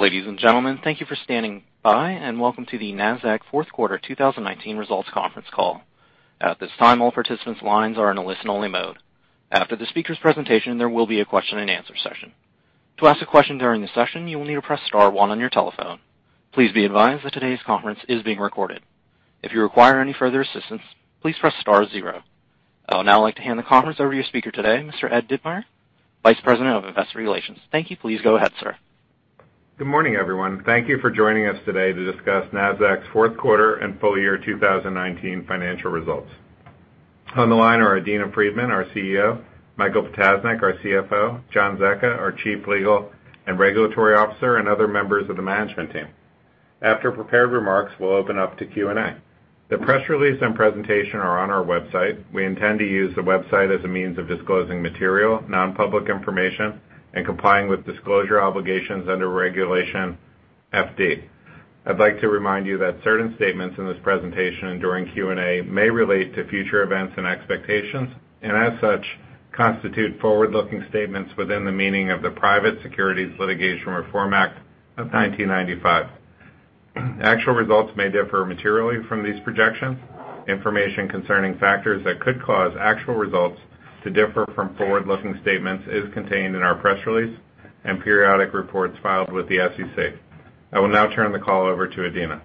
Ladies and gentlemen, thank you for standing by, and welcome to the Nasdaq Fourth Quarter 2019 Results Conference Call. At this time, all participants' lines are in a listen-only mode. After the speakers' presentation, there will be a question-and-answer session. To ask a question during the session, you will need to press star one on your telephone. Please be advised that today's conference is being recorded. If you require any further assistance, please press star zero. I would now like to hand the conference over to your speaker today, Mr. Ed Ditmire, Vice President of Investor Relations. Thank you. Please go ahead, sir. Good morning, everyone. Thank you for joining us today to discuss Nasdaq's fourth quarter and full-year 2019 financial results. On the line are Adena, our CEO, Michael, our CFO, John, our Chief Legal and Regulatory Officer, and other members of the management team. After prepared remarks, we'll open up to Q&A. The press release and presentation are on our website. We intend to use the website as a means of disclosing material, non-public information and complying with disclosure obligations under Regulation FD. I'd like to remind you that certain statements in this presentation and during Q&A may relate to future events and expectations, and as such, constitute forward-looking statements within the meaning of the Private Securities Litigation Reform Act of 1995. Actual results may differ materially from these projections. Information concerning factors that could cause actual results to differ from forward-looking statements is contained in our press release and periodic reports filed with the SEC. I will now turn the call over to Adena.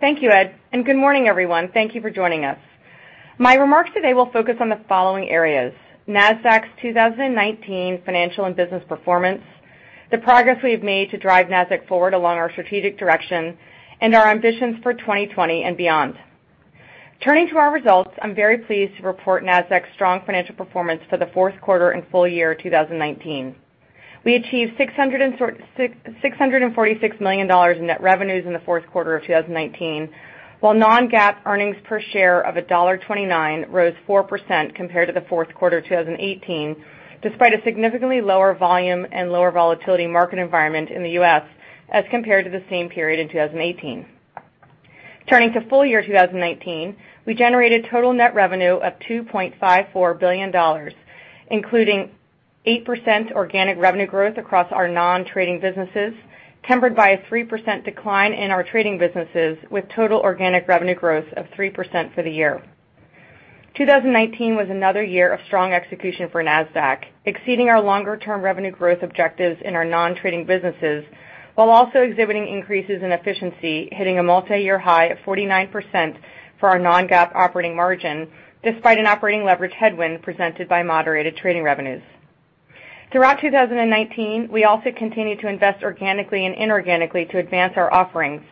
Thank you, Ed, and good morning, everyone. Thank you for joining us. My remarks today will focus on the following areas: Nasdaq's 2019 financial and business performance, the progress we have made to drive Nasdaq forward along our strategic direction, and our ambitions for 2020 and beyond. Turning to our results, I'm very pleased to report Nasdaq's strong financial performance for the fourth quarter and full-year 2019. We achieved $646 million in net revenues in the fourth quarter of 2019, while non-GAAP earnings per share of $1.29 rose 4% compared to the fourth quarter 2018, despite a significantly lower volume and lower volatility market environment in the U.S. as compared to the same period in 2018. Turning to full-year 2019, we generated total net revenue of $2.54 billion, including 8% organic revenue growth across our non-trading businesses, tempered by a 3% decline in our trading businesses, with total organic revenue growth of 3% for the year. 2019 was another year of strong execution for Nasdaq, exceeding our longer-term revenue growth objectives in our non-trading businesses while also exhibiting increases in efficiency, hitting a multi-year high of 49% for our non-GAAP operating margin, despite an operating leverage headwind presented by moderated trading revenues. Throughout 2019, we also continued to invest organically and inorganically to advance our offerings,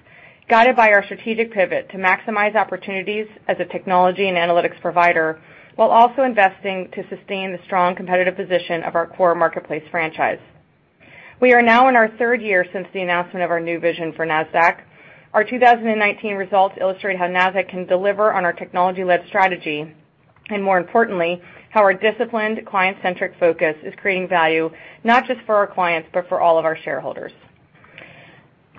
guided by our strategic pivot to maximize opportunities as a technology and analytics provider, while also investing to sustain the strong competitive position of our core marketplace franchise. We are now in our third year since the announcement of our new vision for Nasdaq. Our 2019 results illustrate how Nasdaq can deliver on our technology-led strategy, and more importantly, how our disciplined, client-centric focus is creating value not just for our clients, but for all of our shareholders.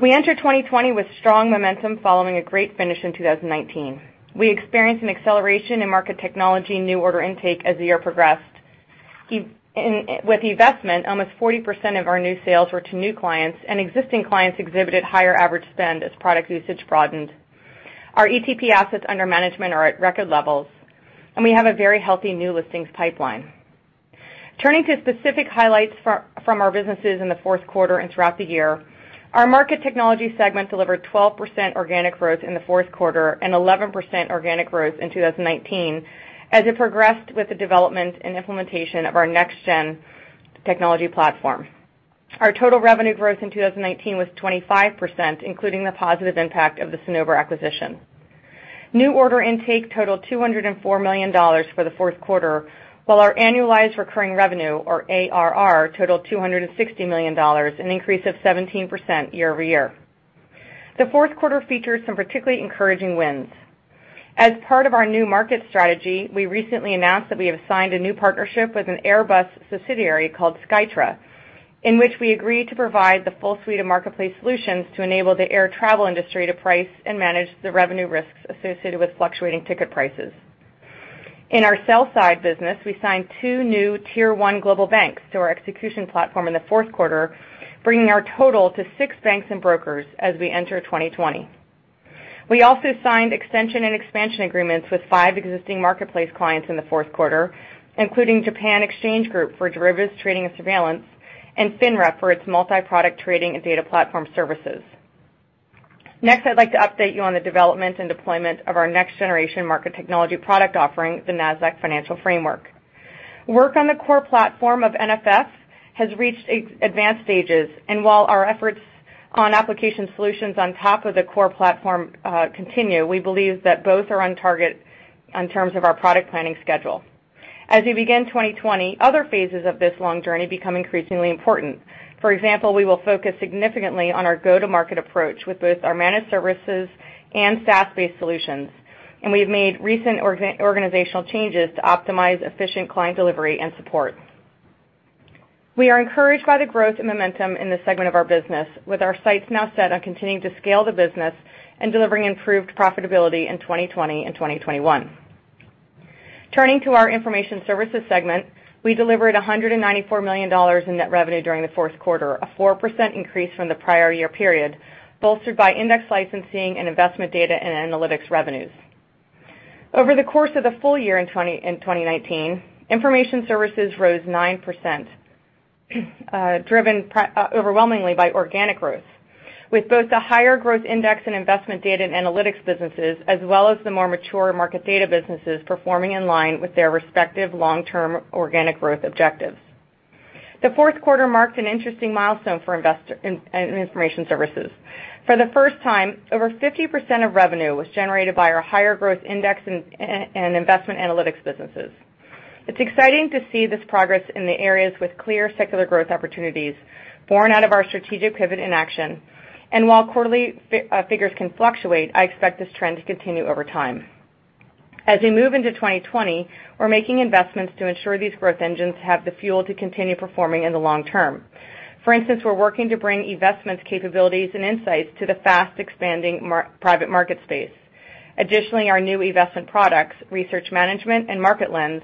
We enter 2020 with strong momentum following a great finish in 2019. We experienced an acceleration in Market Technology new order intake as the year progressed. With the investment, almost 40% of our new sales were to new clients, and existing clients exhibited higher average spend as product usage broadened. Our ETP assets under management are at record levels, and we have a very healthy new listings pipeline. Turning to specific highlights from our businesses in the fourth quarter and throughout the year, our Market Technology segment delivered 12% organic growth in the fourth quarter and 11% organic growth in 2019, as it progressed with the development and implementation of our next-gen technology platform. Our total revenue growth in 2019 was 25%, including the positive impact of the Cinnober acquisition. New order intake totaled $204 million for the fourth quarter, while our annualized recurring revenue, or ARR, totaled $260 million, an increase of 17% year-over-year. The fourth quarter featured some particularly encouraging wins. As part of our new market strategy, we recently announced that we have signed a new partnership with an Airbus subsidiary called Skytra, in which we agreed to provide the full suite of marketplace solutions to enable the air travel industry to price and manage the revenue risks associated with fluctuating ticket prices. In our sell-side business, we signed two new tier one global banks to our execution platform in the fourth quarter, bringing our total to six banks and brokers as we enter 2020. We also signed extension and expansion agreements with five existing marketplace clients in the fourth quarter, including Japan Exchange Group for derivatives trading and surveillance, and FINRA for its multi-product trading and data platform services. Next, I'd like to update you on the development and deployment of our next generation market technology product offering, the Nasdaq Financial Framework. Work on the core platform of NFF has reached advanced stages, and while our efforts on application solutions on top of the core platform continue, we believe that both are on target in terms of our product planning schedule. As we begin 2020, other phases of this long journey become increasingly important. For example, we will focus significantly on our go-to-market approach with both our managed services and SaaS-based solutions, and we have made recent organizational changes to optimize efficient client delivery and support. We are encouraged by the growth and momentum in this segment of our business, with our sights now set on continuing to scale the business and delivering improved profitability in 2020 and 2021. Turning to our Information Services segment, we delivered $194 million in net revenue during the fourth quarter, a 4% increase from the prior year period, bolstered by index licensing and investment data and analytics revenues. Over the course of the full-year in 2019, Information Services rose 9%, driven overwhelmingly by organic growth, with both the higher growth index and investment data and analytics businesses, as well as the more mature market data businesses performing in line with their respective long-term organic growth objectives. The fourth quarter marked an interesting milestone for information services. For the first time, over 50% of revenue was generated by our higher growth index and investment analytics businesses. It's exciting to see this progress in the areas with clear secular growth opportunities born out of our strategic pivot in action. While quarterly figures can fluctuate, I expect this trend to continue over time. As we move into 2020, we're making investments to ensure these growth engines have the fuel to continue performing in the long term. For instance, we're working to bring eVestment's capabilities and insights to the fast-expanding private market space. Additionally, our new eVestment products, Research Management and Market Lens,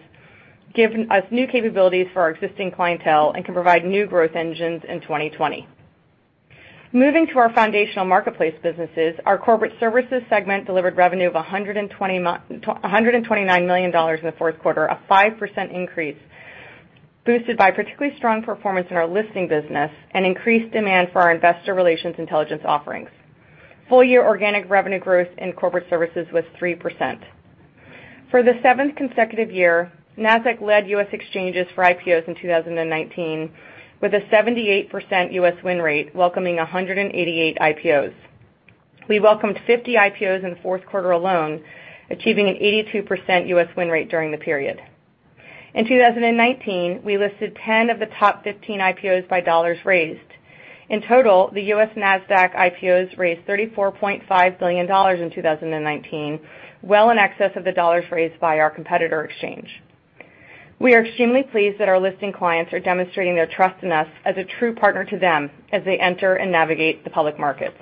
give us new capabilities for our existing clientele and can provide new growth engines in 2020. Moving to our foundational marketplace businesses, our corporate services segment delivered revenue of $129 million in the fourth quarter, a 5% increase, boosted by particularly strong performance in our listing business and increased demand for our investor relations intelligence offerings. Full-year organic revenue growth in corporate services was 3%. For the seventh consecutive year, Nasdaq led U.S. exchanges for IPOs in 2019 with a 78% U.S. win rate, welcoming 188 IPOs. We welcomed 50 IPOs in the fourth quarter alone, achieving an 82% U.S. win rate during the period. In 2019, we listed 10 of the top 15 IPOs by dollars raised. In total, the U.S. Nasdaq IPOs raised $34.5 billion in 2019, well in excess of the dollars raised by our competitor exchange. We are extremely pleased that our listing clients are demonstrating their trust in us as a true partner to them as they enter and navigate the public markets.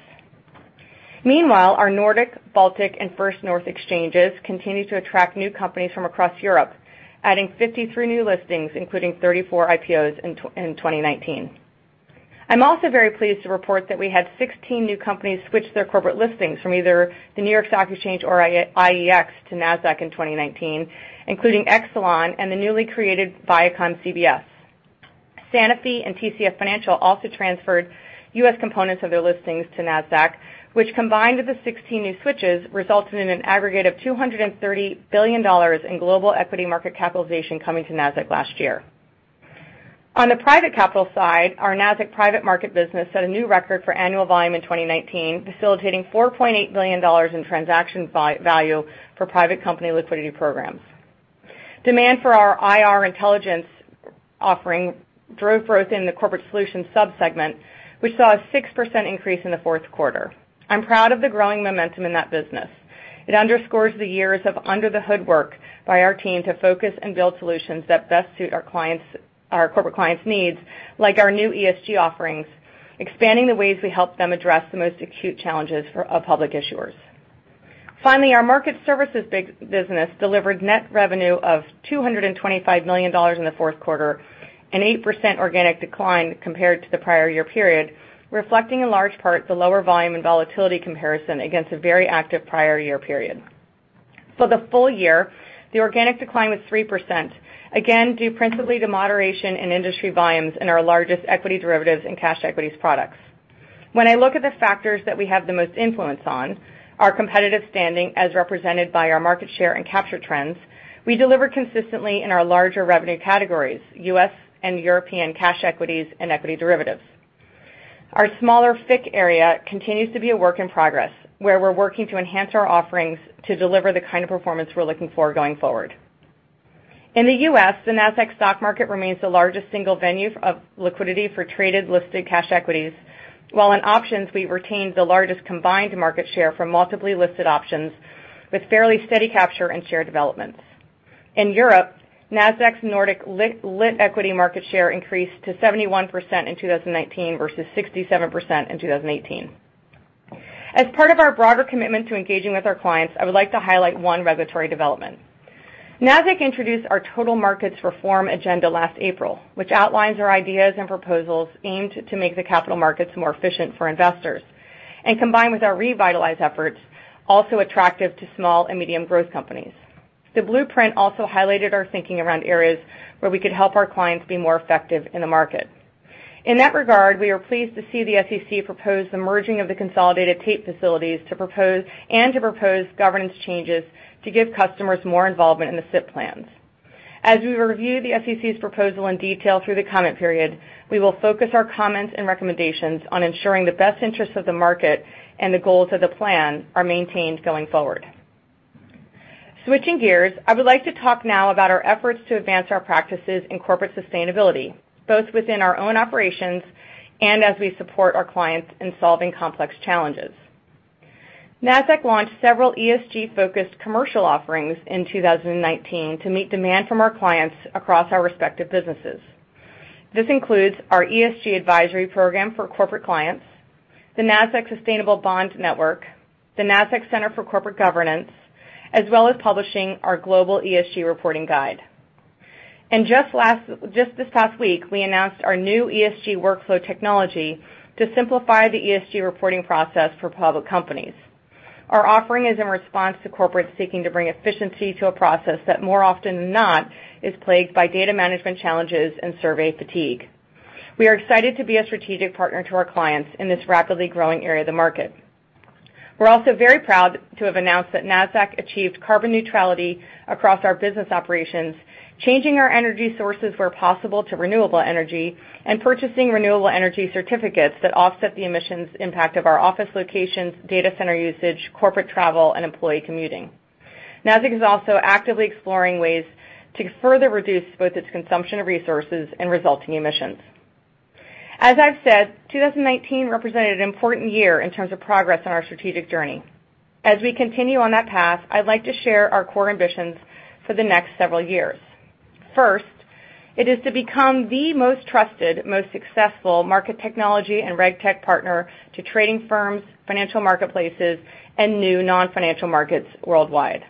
Meanwhile, our Nordic, Baltic, and First North exchanges continue to attract new companies from across Europe, adding 53 new listings, including 34 IPOs in 2019. I'm also very pleased to report that we had 16 new companies switch their corporate listings from either the New York Stock Exchange or IEX to Nasdaq in 2019, including Exelon and the newly created ViacomCBS. Sanofi and TCF Financial also transferred U.S. components of their listings to Nasdaq, which, combined with the 16 new switches, resulted in an aggregate of $230 billion in global equity market capitalization coming to Nasdaq last year. On the private capital side, our Nasdaq Private Market business set a new record for annual volume in 2019, facilitating $4.8 billion in transaction value for private company liquidity programs. Demand for our IR intelligence offering drove growth in the Corporate Solutions sub-segment, which saw a 6% increase in the fourth quarter. I'm proud of the growing momentum in that business. It underscores the years of under-the-hood work by our team to focus and build solutions that best suit our corporate clients' needs, like our new ESG offerings, expanding the ways we help them address the most acute challenges of public issuers. Our Market Services business delivered net revenue of $225 million in the fourth quarter, an 8% organic decline compared to the prior year period, reflecting in large part the lower volume and volatility comparison against a very active prior year period. For the full-year, the organic decline was 3%, again, due principally to moderation in industry volumes in our largest equity derivatives and cash equities products. When I look at the factors that we have the most influence on, our competitive standing as represented by our market share and capture trends, we deliver consistently in our larger revenue categories, U.S. and European cash equities and equity derivatives. Our smaller FICC area continues to be a work in progress, where we're working to enhance our offerings to deliver the kind of performance we're looking for going forward. In the U.S., The Nasdaq Stock Market remains the largest single venue of liquidity for traded listed cash equities, while in options, we retained the largest combined market share for multiply listed options with fairly steady capture and share developments. In Europe, Nasdaq's Nordic lit equity market share increased to 71% in 2019 versus 67% in 2018. As part of our broader commitment to engaging with our clients, I would like to highlight one regulatory development. Nasdaq introduced our Total Markets Reform Agenda last April, which outlines our ideas and proposals aimed to make the capital markets more efficient for investors, and combined with our revitalized efforts, also attractive to small and medium growth companies. The blueprint also highlighted our thinking around areas where we could help our clients be more effective in the market. In that regard, we are pleased to see the SEC propose the merging of the consolidated tape facilities and to propose governance changes to give customers more involvement in the SIP plans. As we review the SEC's proposal in detail through the comment period, we will focus our comments and recommendations on ensuring the best interests of the market and the goals of the plan are maintained going forward. Switching gears, I would like to talk now about our efforts to advance our practices in corporate sustainability, both within our own operations and as we support our clients in solving complex challenges. Nasdaq launched several ESG-focused commercial offerings in 2019 to meet demand from our clients across our respective businesses. This includes our ESG advisory program for corporate clients, the Nasdaq Sustainable Bond Network, the Nasdaq Center for Corporate Governance, as well as publishing our global ESG reporting guide. Just this past week, we announced our new ESG workflow technology to simplify the ESG reporting process for public companies. Our offering is in response to corporates seeking to bring efficiency to a process that more often than not, is plagued by data management challenges and survey fatigue. We are excited to be a strategic partner to our clients in this rapidly growing area of the market. We're also very proud to have announced that Nasdaq achieved carbon neutrality across our business operations, changing our energy sources where possible to renewable energy, and purchasing renewable energy certificates that offset the emissions impact of our office locations, data center usage, corporate travel, and employee commuting. Nasdaq is also actively exploring ways to further reduce both its consumption of resources and resulting emissions. As I've said, 2019 represented an important year in terms of progress on our strategic journey. As we continue on that path, I'd like to share our core ambitions for the next several years. First, it is to become the most trusted, most successful market technology and RegTech partner to trading firms, financial marketplaces, and new non-financial markets worldwide.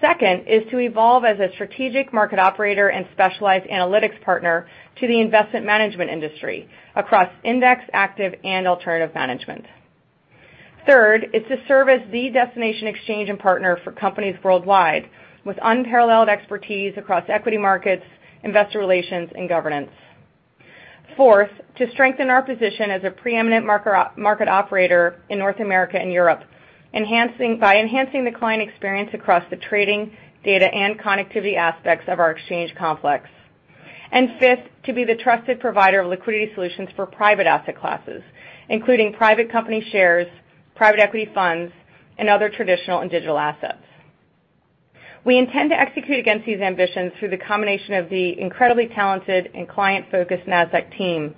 Second, is to evolve as a strategic market operator and specialized analytics partner to the investment management industry across index, active, and alternative management. Third, is to serve as the destination exchange and partner for companies worldwide with unparalleled expertise across equity markets, investor relations, and governance. Fourth, to strengthen our position as a preeminent market operator in North America and Europe by enhancing the client experience across the trading, data, and connectivity aspects of our exchange complex. Fifth, to be the trusted provider of liquidity solutions for private asset classes, including private company shares, private equity funds, and other traditional and digital assets. We intend to execute against these ambitions through the combination of the incredibly talented and client-focused Nasdaq team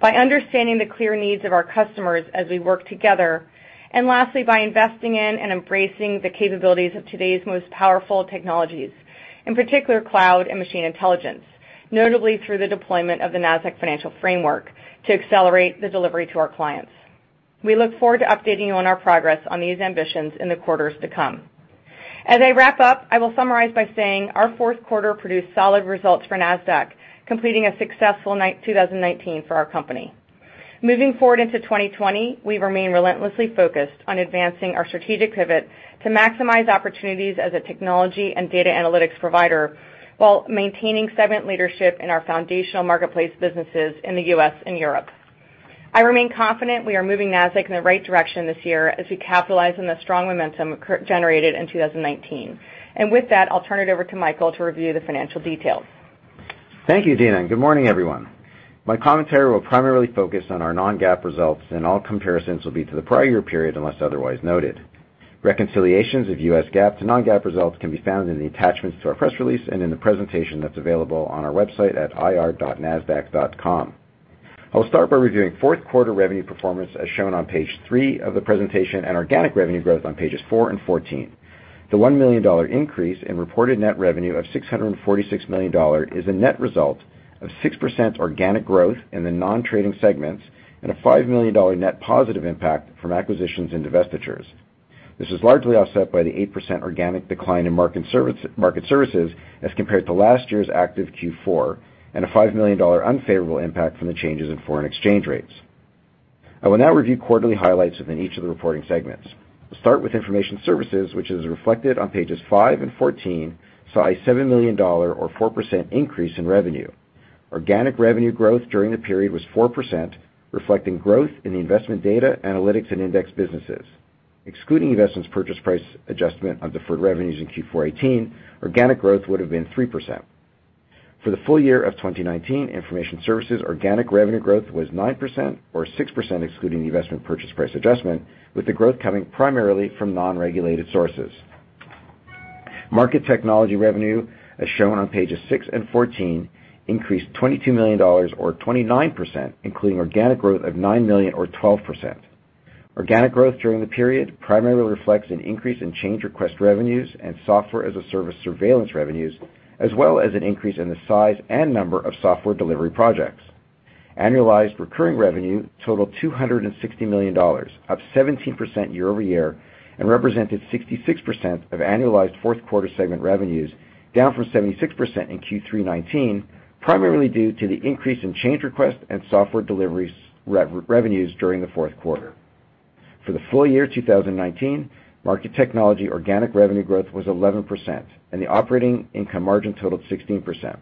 by understanding the clear needs of our customers as we work together. Lastly, by investing in and embracing the capabilities of today's most powerful technologies, in particular, cloud and machine intelligence, notably through the deployment of the Nasdaq Financial Framework to accelerate the delivery to our clients. We look forward to updating you on our progress on these ambitions in the quarters to come. As I wrap up, I will summarize by saying our fourth quarter produced solid results for Nasdaq, completing a successful 2019 for our company. Moving forward into 2020, we remain relentlessly focused on advancing our strategic pivot to maximize opportunities as a technology and data analytics provider while maintaining segment leadership in our foundational marketplace businesses in the U.S. and Europe. I remain confident we are moving Nasdaq in the right direction this year as we capitalize on the strong momentum generated in 2019. With that, I'll turn it over to Michael to review the financial details. Thank you, Adena, good morning, everyone. My commentary will primarily focus on our non-GAAP results. All comparisons will be to the prior year period unless otherwise noted. Reconciliations of US GAAP to non-GAAP results can be found in the attachments to our press release and in the presentation that's available on our website at ir.nasdaq.com. I'll start by reviewing fourth quarter revenue performance as shown on page three of the presentation and organic revenue growth on pages four and 14. The $1 million increase in reported net revenue of $646 million is a net result of 6% organic growth in the non-trading segments and a $5 million net positive impact from acquisitions and divestitures. This is largely offset by the 8% organic decline in market services as compared to last year's active Q4. A $5 million unfavorable impact from the changes in foreign exchange rates. I will now review quarterly highlights within each of the reporting segments. Let's start with Information Services, which is reflected on pages five and 14, saw a $7 million or 4% increase in revenue. Organic revenue growth during the period was 4%, reflecting growth in the investment data, analytics, and index businesses. Excluding investments purchase price adjustment of deferred revenues in Q4 2018, organic growth would've been 3%. For the full-year of 2019, Information Services organic revenue growth was 9% or 6%, excluding the investment purchase price adjustment, with the growth coming primarily from non-regulated sources. Market Technology revenue, as shown on pages six and 14, increased $22 million or 29%, including organic growth of $9 million or 12%. Organic growth during the period primarily reflects an increase in change request revenues and Software as a Service surveillance revenues, as well as an increase in the size and number of software delivery projects. Annualized recurring revenue totaled $260 million, up 17% year-over-year, and represented 66% of annualized fourth quarter segment revenues, down from 76% in Q3 2019, primarily due to the increase in change request and software deliveries revenues during the fourth quarter. For the full-year 2019, Market Technology organic revenue growth was 11%, and the operating income margin totaled 16%.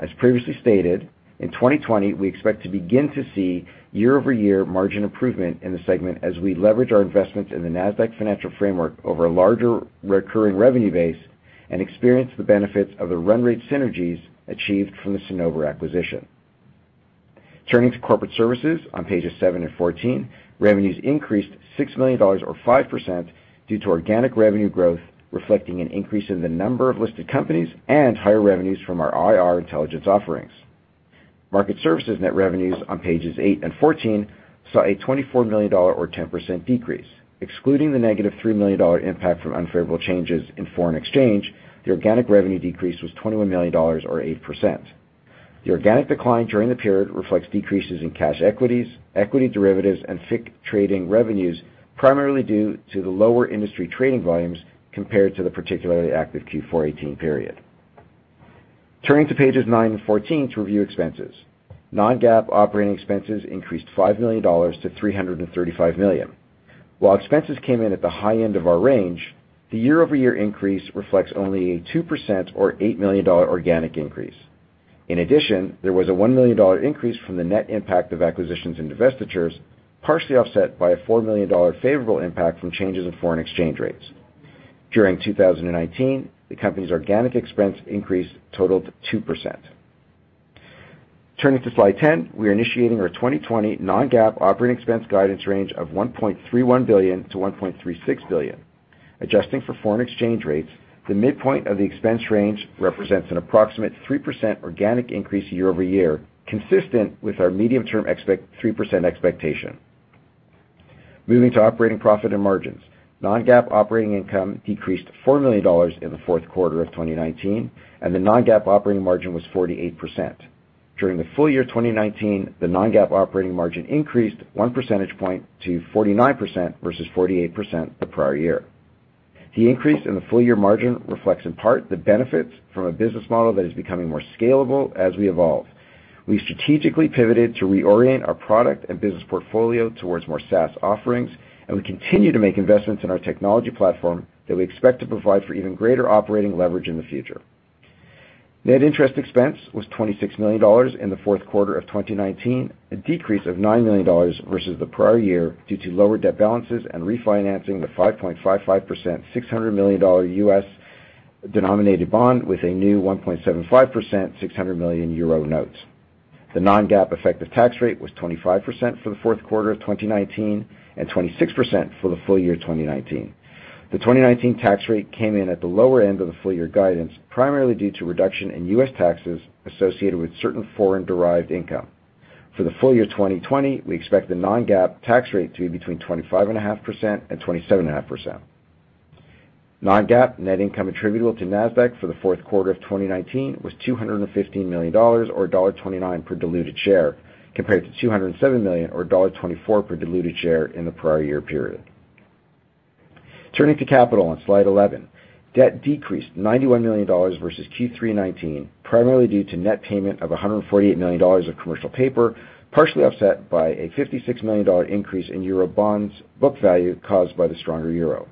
As previously stated, in 2020, we expect to begin to see year-over-year margin improvement in the segment as we leverage our investments in the Nasdaq Financial Framework over a larger recurring revenue base and experience the benefits of the run rate synergies achieved from the Cinnober acquisition. Turning to corporate services on pages seven and 14, revenues increased $6 million or 5% due to organic revenue growth, reflecting an increase in the number of listed companies and higher revenues from our IR intelligence offerings. Market services net revenues on pages eight and 14 saw a $24 million or 10% decrease. Excluding the negative $3 million impact from unfavorable changes in foreign exchange, the organic revenue decrease was $21 million or 8%. The organic decline during the period reflects decreases in cash equities, equity derivatives, and FICC trading revenues, primarily due to the lower industry trading volumes compared to the particularly active Q4 2018 period. Turning to pages nine and 14 to review expenses. Non-GAAP operating expenses increased $5 million to $335 million. While expenses came in at the high end of our range, the year-over-year increase reflects only a 2% or $8 million organic increase. In addition, there was a $1 million increase from the net impact of acquisitions and divestitures, partially offset by a $4 million favorable impact from changes in foreign exchange rates. During 2019, the company's organic expense increase totaled 2%. Turning to slide 10, we are initiating our 2020 non-GAAP operating expense guidance range of $1.31 billion-$1.36 billion. Adjusting for foreign exchange rates, the midpoint of the expense range represents an approximate 3% organic increase year-over-year, consistent with our medium-term 3% expectation. Moving to operating profit and margins. Non-GAAP operating income decreased $4 million in the fourth quarter of 2019, and the non-GAAP operating margin was 48%. During the full-year 2019, the non-GAAP operating margin increased one percentage point to 49% versus 48% the prior year. The increase in the full-year margin reflects in part the benefits from a business model that is becoming more scalable as we evolve. We've strategically pivoted to reorient our product and business portfolio towards more SaaS offerings, and we continue to make investments in our technology platform that we expect to provide for even greater operating leverage in the future. Net interest expense was $26 million in the fourth quarter of 2019, a decrease of $9 million versus the prior year due to lower debt balances and refinancing the 5.55% $600 million U.S.-denominated bond with a new 1.75% 600 million euro note. The non-GAAP effective tax rate was 25% for the fourth quarter of 2019 and 26% for the full-year 2019. The 2019 tax rate came in at the lower end of the full-year guidance, primarily due to reduction in U.S. taxes associated with certain foreign-derived income. For the full-year 2020, we expect the non-GAAP tax rate to be between 25.5% and 27.5%. Non-GAAP net income attributable to Nasdaq for the fourth quarter of 2019 was $215 million, or $1.29 per diluted share, compared to $207 million or $1.24 per diluted share in the prior year period. Turning to capital on slide 11. Debt decreased $91 million versus Q3 '19, primarily due to net payment of $148 million of commercial paper, partially offset by a $56 million increase in euro bonds book value caused by the stronger euro.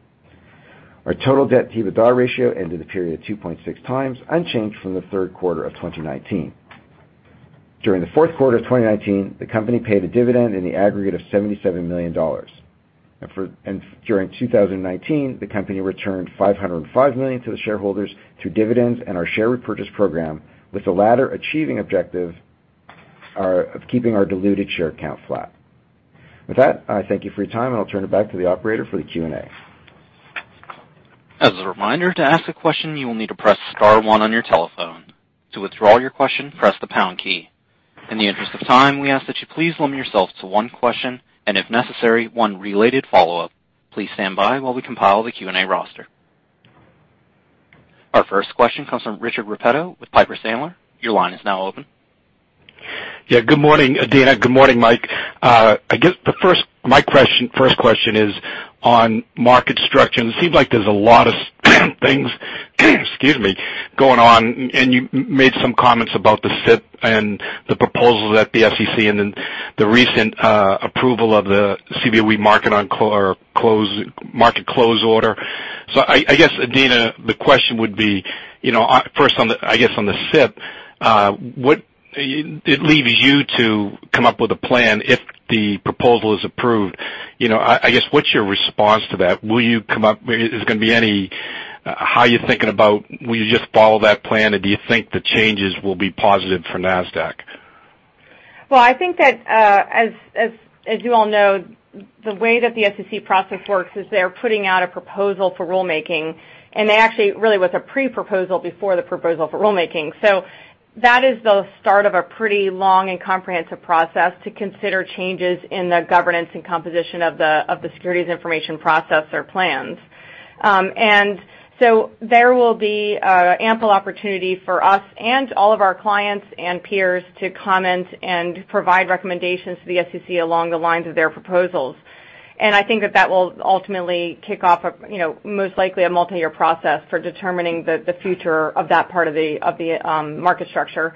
Our total debt-to-EBITDA ratio ended the period 2.6x, unchanged from the third quarter of 2019. During the fourth quarter of 2019, the company paid a dividend in the aggregate of $77 million. During 2019, the company returned $505 million to the shareholders through dividends and our share repurchase program, with the latter achieving objective of keeping our diluted share count flat. With that, I thank you for your time, and I'll turn it back to the operator for the Q&A. As a reminder, to ask a question, you will need to press star one on your telephone. To withdraw your question, press the # key. In the interest of time, we ask that you please limit yourself to one question and, if necessary, one related follow-up. Please stand by while we compile the Q&A roster. Our first question comes from Richard Repetto with Piper Sandler. Your line is now open. Yeah, good morning, Adena. Good morning, Mike. It seems like there's a lot of things going on. You made some comments about the SIP and the proposals at the SEC and then the recent approval of the Cboe market close order. I guess, Adena, the question would be, first on the SIP, it leaves you to come up with a plan if the proposal is approved. I guess what's your response to that? Is there going to be how are you thinking about, will you just follow that plan, or do you think the changes will be positive for Nasdaq? Well, I think that, as you all know, the way that the SEC process works is they're putting out a proposal for rulemaking, and it actually really was a pre-proposal before the proposal for rulemaking. That is the start of a pretty long and comprehensive process to consider changes in the governance and composition of the securities information process or plans. There will be ample opportunity for us and all of our clients and peers to comment and provide recommendations to the SEC along the lines of their proposals. I think that that will ultimately kick off most likely a multi-year process for determining the future of that part of the market structure.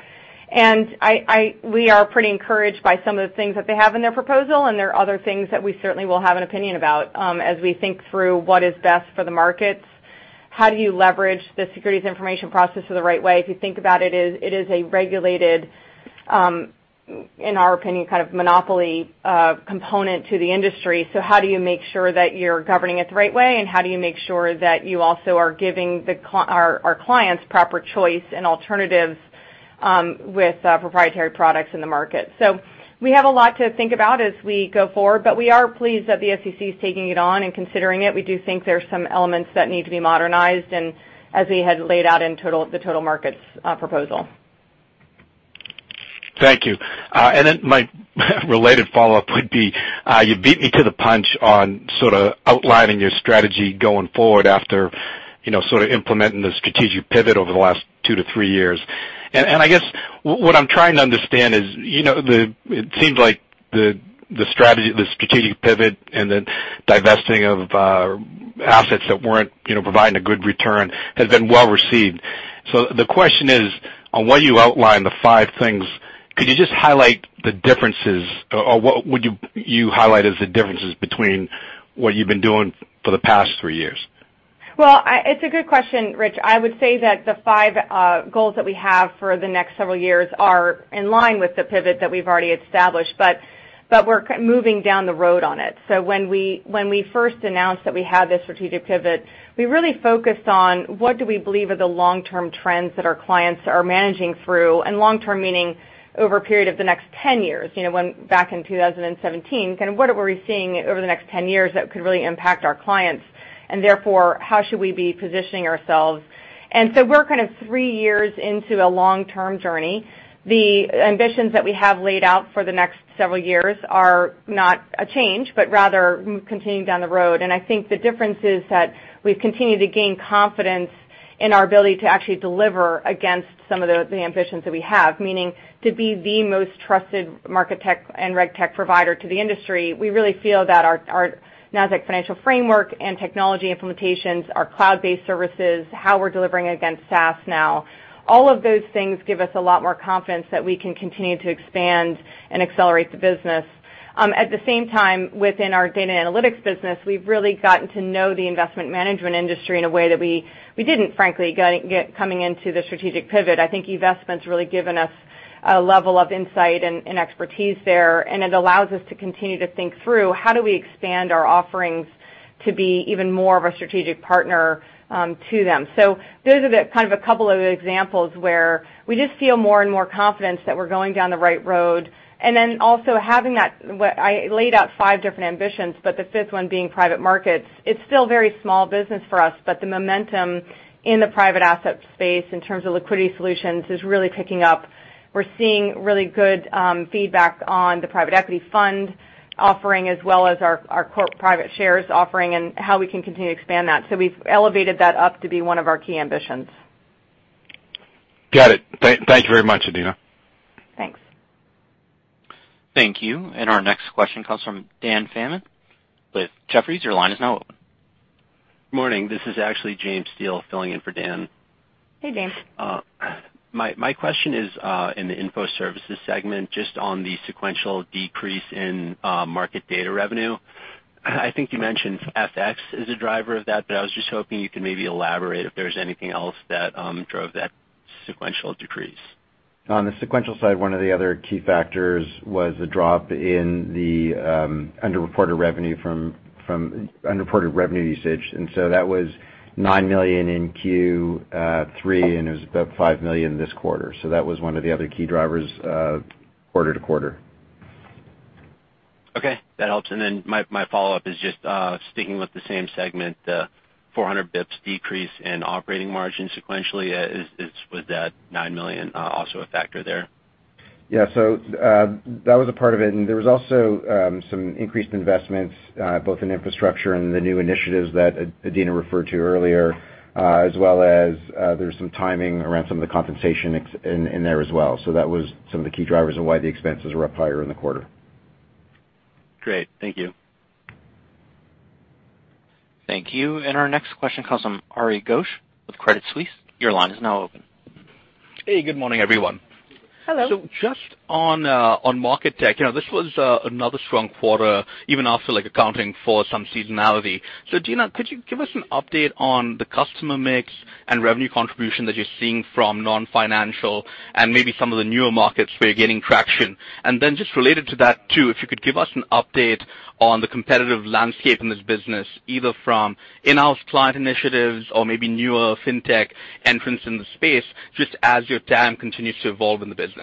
We are pretty encouraged by some of the things that they have in their proposal, and there are other things that we certainly will have an opinion about as we think through what is best for the markets. How do you leverage the Securities Information Process in the right way? If you think about it is a regulated, in our opinion, kind of monopoly component to the industry. How do you make sure that you're governing it the right way, and how do you make sure that you also are giving our clients proper choice and alternatives with proprietary products in the market? We have a lot to think about as we go forward, but we are pleased that the SEC is taking it on and considering it. We do think there's some elements that need to be modernized. As we had laid out in the total markets proposal. Thank you. My related follow-up would be, you beat me to the punch on sort of outlining your strategy going forward after implementing the strategic pivot over the last two to three years. I guess what I'm trying to understand is, it seems like the strategic pivot and the divesting of assets that weren't providing a good return has been well-received. The question is, on what you outlined, the five things, could you just highlight the differences, or what would you highlight as the differences between what you've been doing for the past three years? Well, it's a good question, Rich. I would say that the five goals that we have for the next several years are in line with the pivot that we've already established, but we're moving down the road on it. When we first announced that we had this strategic pivot, we really focused on what do we believe are the long-term trends that our clients are managing through. Long term meaning over a period of the next 10 years. When back in 2017, kind of what are we seeing over the next 10 years that could really impact our clients? Therefore, how should we be positioning ourselves? We're kind of three years into a long-term journey. The ambitions that we have laid out for the next several years are not a change, but rather continuing down the road. I think the difference is that we've continued to gain confidence in our ability to actually deliver against some of the ambitions that we have. Meaning to be the most trusted market tech and RegTech provider to the industry. We really feel that our Nasdaq Financial Framework and technology implementations, our cloud-based services, how we're delivering against SaaS now, all of those things give us a lot more confidence that we can continue to expand and accelerate the business. At the same time, within our data analytics business, we've really gotten to know the investment management industry in a way that we didn't, frankly, coming into the strategic pivot. I think eVestment's really given us a level of insight and expertise there, and it allows us to continue to think through how do we expand our offerings to be even more of a strategic partner to them. Those are kind of a couple of examples where we just feel more and more confidence that we're going down the right road. Also having that, I laid out five different ambitions, but the fifth one being private markets. It's still very small business for us, but the momentum in the private asset space in terms of liquidity solutions is really picking up. We're seeing really good feedback on the private equity fund offering, as well as our core private shares offering and how we can continue to expand that. We've elevated that up to be one of our key ambitions. Got it. Thank you very much, Adena. Thanks. Thank you. Our next question comes from Daniel Fannon with Jefferies. Your line is now open. Morning. This is actually James Steele filling in for Dan. Hey, James. My question is in the info services segment, just on the sequential decrease in market data revenue. I think you mentioned FX as a driver of that, but I was just hoping you could maybe elaborate if there's anything else that drove that sequential decrease. On the sequential side, one of the other key factors was the drop in the underreported revenue usage. That was $9 million in Q3, and it was about $5 million this quarter. That was one of the other key drivers quarter-to-quarter. Okay, that helps. My follow-up is just sticking with the same segment, the 400 basis points decrease in operating margin sequentially. Was that $9 million also a factor there? That was a part of it. There was also some increased investments, both in infrastructure and the new initiatives that Adena referred to earlier, as well as there's some timing around some of the compensation in there as well. That was some of the key drivers on why the expenses were up higher in the quarter. Great. Thank you. Thank you. Our next question comes from Ari Ghosh with Credit Suisse. Your line is now open. Hey, good morning, everyone. Hello. Just on market tech, this was another strong quarter, even after accounting for some seasonality. Adena, could you give us an update on the customer mix and revenue contribution that you're seeing from non-financial and maybe some of the newer markets where you're getting traction? Then just related to that too, if you could give us an update on the competitive landscape in this business, either from in-house client initiatives or maybe newer FinTech entrants in the space, just as your TAM continues to evolve in the business.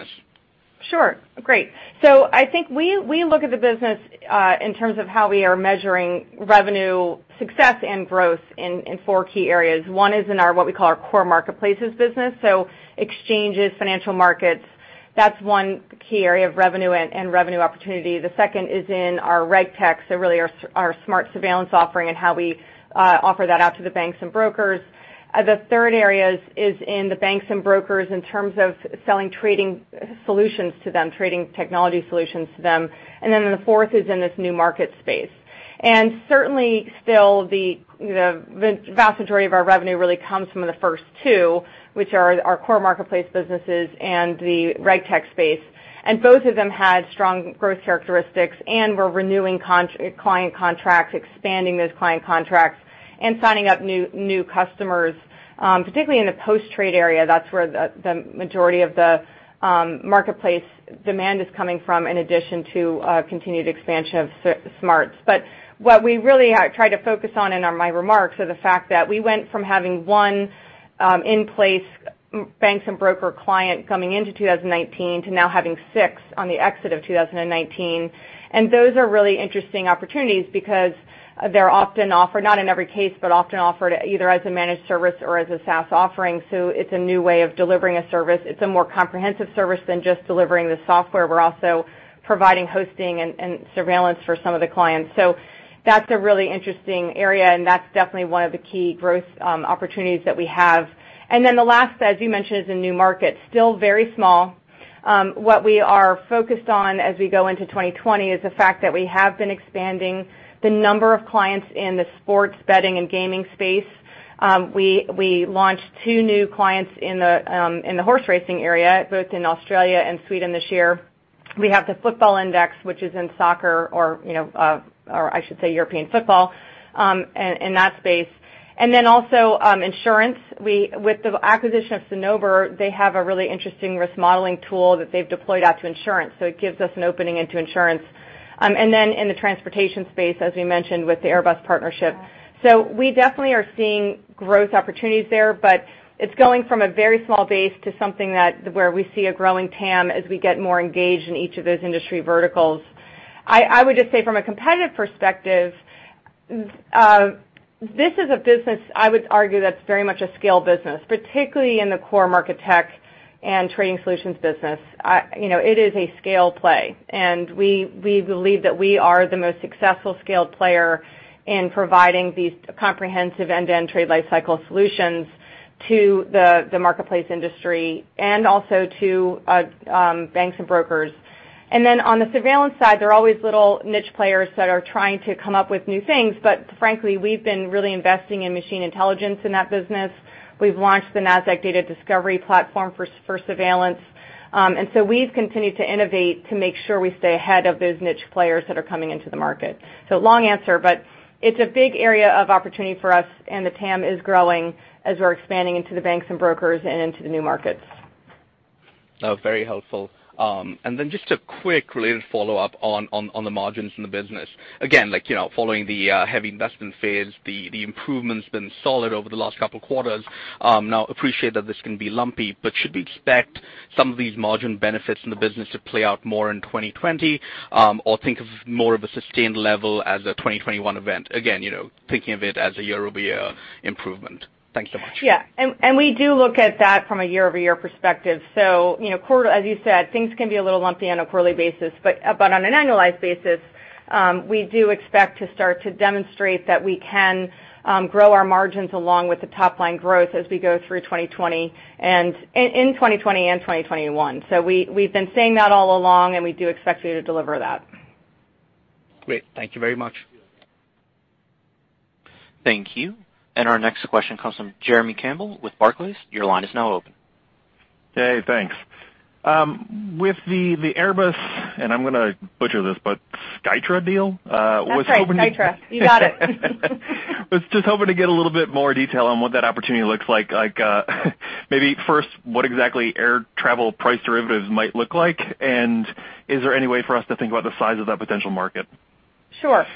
Sure. Great. I think we look at the business in terms of how we are measuring revenue success and growth in four key areas. One is in what we call our core marketplaces business. Exchanges, financial markets. That's one key area of revenue and revenue opportunity. The second is in our RegTech, really our SMARTS surveillance offering and how we offer that out to the banks and brokers. The third area is in the banks and brokers in terms of selling trading solutions to them, trading technology solutions to them. The fourth is in this new market space. Certainly still, the vast majority of our revenue really comes from the first two, which are our core marketplace businesses and the RegTech space. Both of them had strong growth characteristics and were renewing client contracts, expanding those client contracts and signing up new customers. Particularly in the post-trade area, that's where the majority of the marketplace demand is coming from, in addition to continued expansion of SMARTS. What we really try to focus on in my remarks are the fact that we went from having one in-place bank and broker client coming into 2019 to now having six on the exit of 2019. Those are really interesting opportunities because they're often offered, not in every case, but often offered either as a managed service or as a SaaS offering. It's a new way of delivering a service. It's a more comprehensive service than just delivering the software. We're also providing hosting and surveillance for some of the clients. That's a really interesting area, and that's definitely one of the key growth opportunities that we have. The last, as you mentioned, is the new market, still very small. What we are focused on as we go into 2020 is the fact that we have been expanding the number of clients in the sports betting and gaming space. We launched two new clients in the horse racing area, both in Australia and Sweden this year. We have the Football Index, which is in soccer, or I should say European football, in that space. Also, insurance. With the acquisition of Cinnober, they have a really interesting risk modeling tool that they've deployed out to insurance, so it gives us an opening into insurance. In the transportation space, as we mentioned, with the Airbus partnership. We definitely are seeing growth opportunities there, but it's going from a very small base to something that where we see a growing TAM as we get more engaged in each of those industry verticals. I would just say from a competitive perspective, this is a business, I would argue, that's very much a scale business, particularly in the core Market Tech and Trading Solutions business. It is a scale play, and we believe that we are the most successful scale player in providing these comprehensive end-to-end trade life cycle solutions to the marketplace industry and also to banks and brokers. On the surveillance side, there are always little niche players that are trying to come up with new things. Frankly, we've been really investing in machine intelligence in that business. We've launched the Nasdaq data discovery platform for surveillance. We've continued to innovate to make sure we stay ahead of those niche players that are coming into the market. Long answer, but it's a big area of opportunity for us, and the TAM is growing as we're expanding into the banks and brokers and into the new markets. Very helpful. Just a quick related follow-up on the margins in the business. Again, following the heavy investment phase, the improvement's been solid over the last couple of quarters. Appreciate that this can be lumpy, but should we expect some of these margin benefits in the business to play out more in 2020, or think of more of a sustained level as a 2021 event? Again, thinking of it as a year-over-year improvement. Thank you so much. Yeah. We do look at that from a year-over-year perspective. As you said, things can be a little lumpy on a quarterly basis. On an annualized basis, we do expect to start to demonstrate that we can grow our margins along with the top-line growth as we go through in 2020 and 2021. We've been saying that all along, and we do expect to deliver that. Great. Thank you very much. Thank you. Our next question comes from Jeremy Campbell with Barclays. Your line is now open. Hey, thanks. With the Airbus, and I'm going to butcher this, but Skytra deal. That's right, Skytra. You got it. Was just hoping to get a little bit more detail on what that opportunity looks like? Maybe first, what exactly air travel price derivatives might look like, and is there any way for us to think about the size of that potential market? Sure.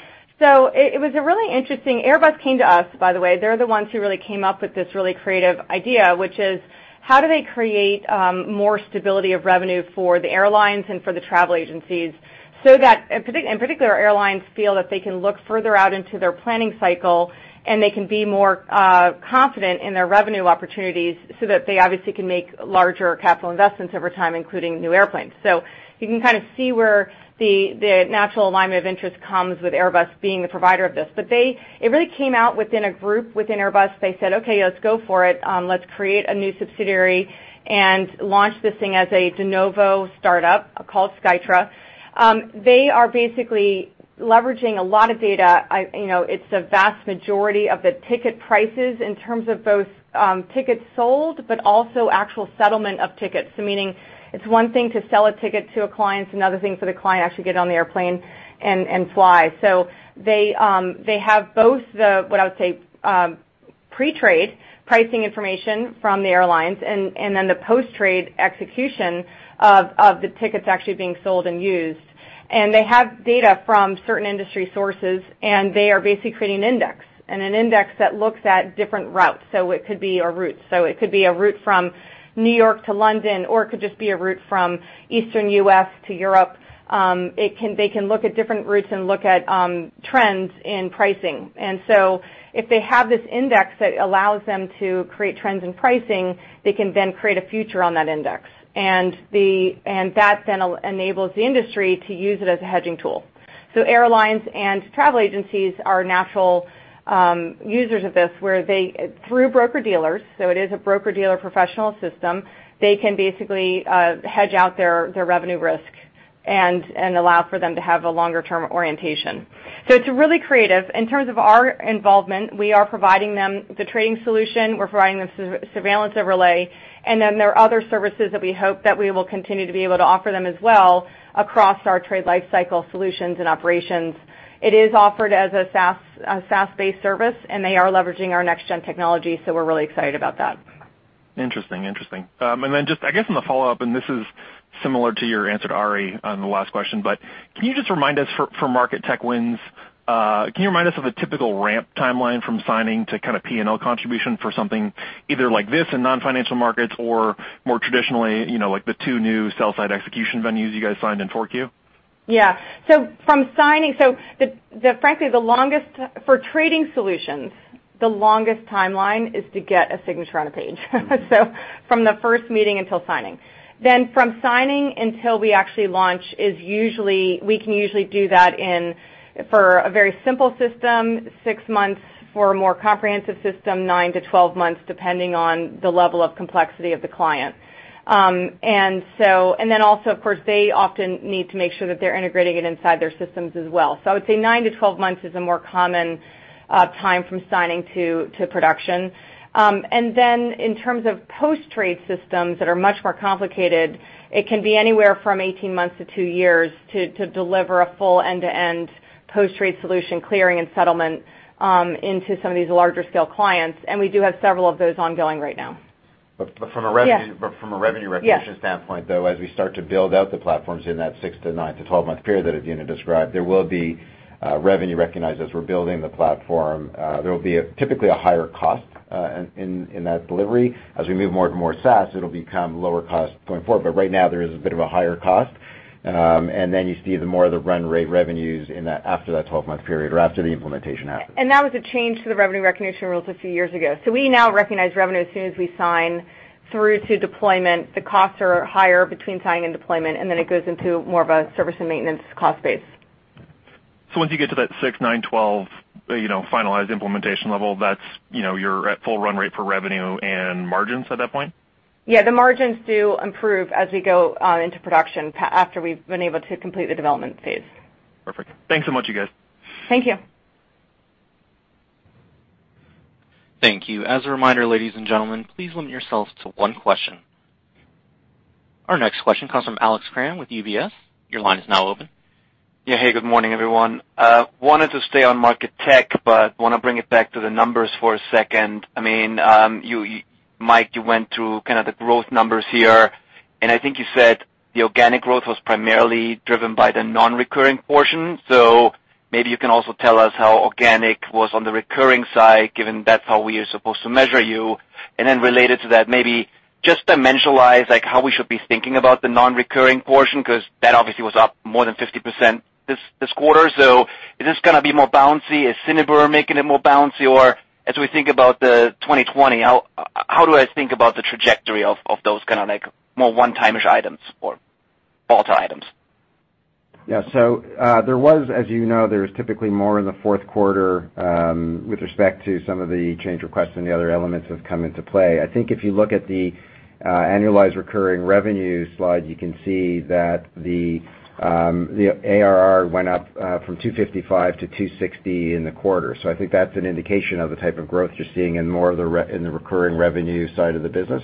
It was a really interesting. Airbus came to us, by the way. They're the ones who really came up with this really creative idea, which is, how do they create more stability of revenue for the airlines and for the travel agencies so that, in particular, airlines feel that they can look further out into their planning cycle, and they can be more confident in their revenue opportunities so that they obviously can make larger capital investments over time, including new airplanes. You can kind of see where the natural alignment of interest comes with Airbus being the provider of this. It really came out within a group within Airbus. They said, "Okay, let's go for it. Let's create a new subsidiary and launch this thing as a de novo startup," called Skytra. They are basically leveraging a lot of data. It's the vast majority of the ticket prices in terms of both tickets sold, but also actual settlement of tickets. Meaning it's one thing to sell a ticket to a client, it's another thing for the client to actually get on the airplane and fly. They have both the, what I would say, pre-trade pricing information from the airlines and then the post-trade execution of the tickets actually being sold and used. They have data from certain industry sources, and they are basically creating an index, and an index that looks at different routes. It could be a route from New York to London, or it could just be a route from Eastern U.S. to Europe. They can look at different routes and look at trends in pricing. If they have this index that allows them to create trends in pricing, they can then create a future on that index. That then enables the industry to use it as a hedging tool. Airlines and travel agencies are natural users of this, where they, through broker-dealers, so it is a broker-dealer professional system, they can basically hedge out their revenue risk and allow for them to have a longer-term orientation. It's really creative. In terms of our involvement, we are providing them the trading solution, we're providing them surveillance overlay, and then there are other services that we hope that we will continue to be able to offer them as well across our trade life cycle solutions and operations. It is offered as a SaaS-based service, and they are leveraging our next-gen technology, so we're really excited about that. Interesting. Then just, I guess in the follow-up, and this is similar to your answer to Ari on the last question, can you just remind us for market tech wins, can you remind us of a typical ramp timeline from signing to P&L contribution for something either like this in non-financial markets or more traditionally, like the two new sell side execution venues you guys signed in Q4? Yeah. Frankly, for trading solutions, the longest timeline is to get a signature on a page. From the first meeting until signing. From signing until we actually launch, we can usually do that in, for a very simple system, six months, for a more comprehensive system, 9-12 months, depending on the level of complexity of the client. Also, of course, they often need to make sure that they're integrating it inside their systems as well. I would say 9-12 months is a more common time from signing to production. In terms of post-trade systems that are much more complicated, it can be anywhere from 18 months to two years to deliver a full end-to-end post-trade solution clearing and settlement into some of these larger scale clients, and we do have several of those ongoing right now. From a revenue recognition standpoint, though, as we start to build out the platforms in that 6-9 to 12-month period that Adena described, there will be revenue recognized as we're building the platform. There will be typically a higher cost in that delivery. As we move more to more SaaS, it'll become lower cost going forward. Right now there is a bit of a higher cost. Then you see more of the run rate revenues after that 12-month period or after the implementation happens. That was a change to the revenue recognition rules a few years ago. We now recognize revenue as soon as we sign through to deployment. The costs are higher between signing and deployment. It goes into more of a service and maintenance cost base. Once you get to that six, nine, 12 finalized implementation level, you're at full run rate for revenue and margins at that point? Yeah, the margins do improve as we go into production after we've been able to complete the development phase. Perfect. Thanks so much, you guys. Thank you. Thank you. As a reminder, ladies and gentlemen, please limit yourselves to one question. Our next question comes from Alex Kramm with UBS. Your line is now open. Yeah. Hey, good morning, everyone. Wanted to stay on market tech, but want to bring it back to the numbers for a second. Mike, you went through kind of the growth numbers here, and I think you said the organic growth was primarily driven by the non-recurring portion. Maybe you can also tell us how organic was on the recurring side, given that's how we are supposed to measure you. Related to that, maybe just dimensionalize how we should be thinking about the non-recurring portion, because that obviously was up more than 50% this quarter. Is this going to be more bouncy? Is Cinnober making it more bouncy? Or as we think about 2020, how do I think about the trajectory of those kind of more one-time-ish items or other items? There was, as you know, there's typically more in the fourth quarter with respect to some of the change requests and the other elements that have come into play. I think if you look at the annualized recurring revenue slide, you can see that the ARR went up from 255 - 260 in the quarter. I think that's an indication of the type of growth you're seeing in the recurring revenue side of the business.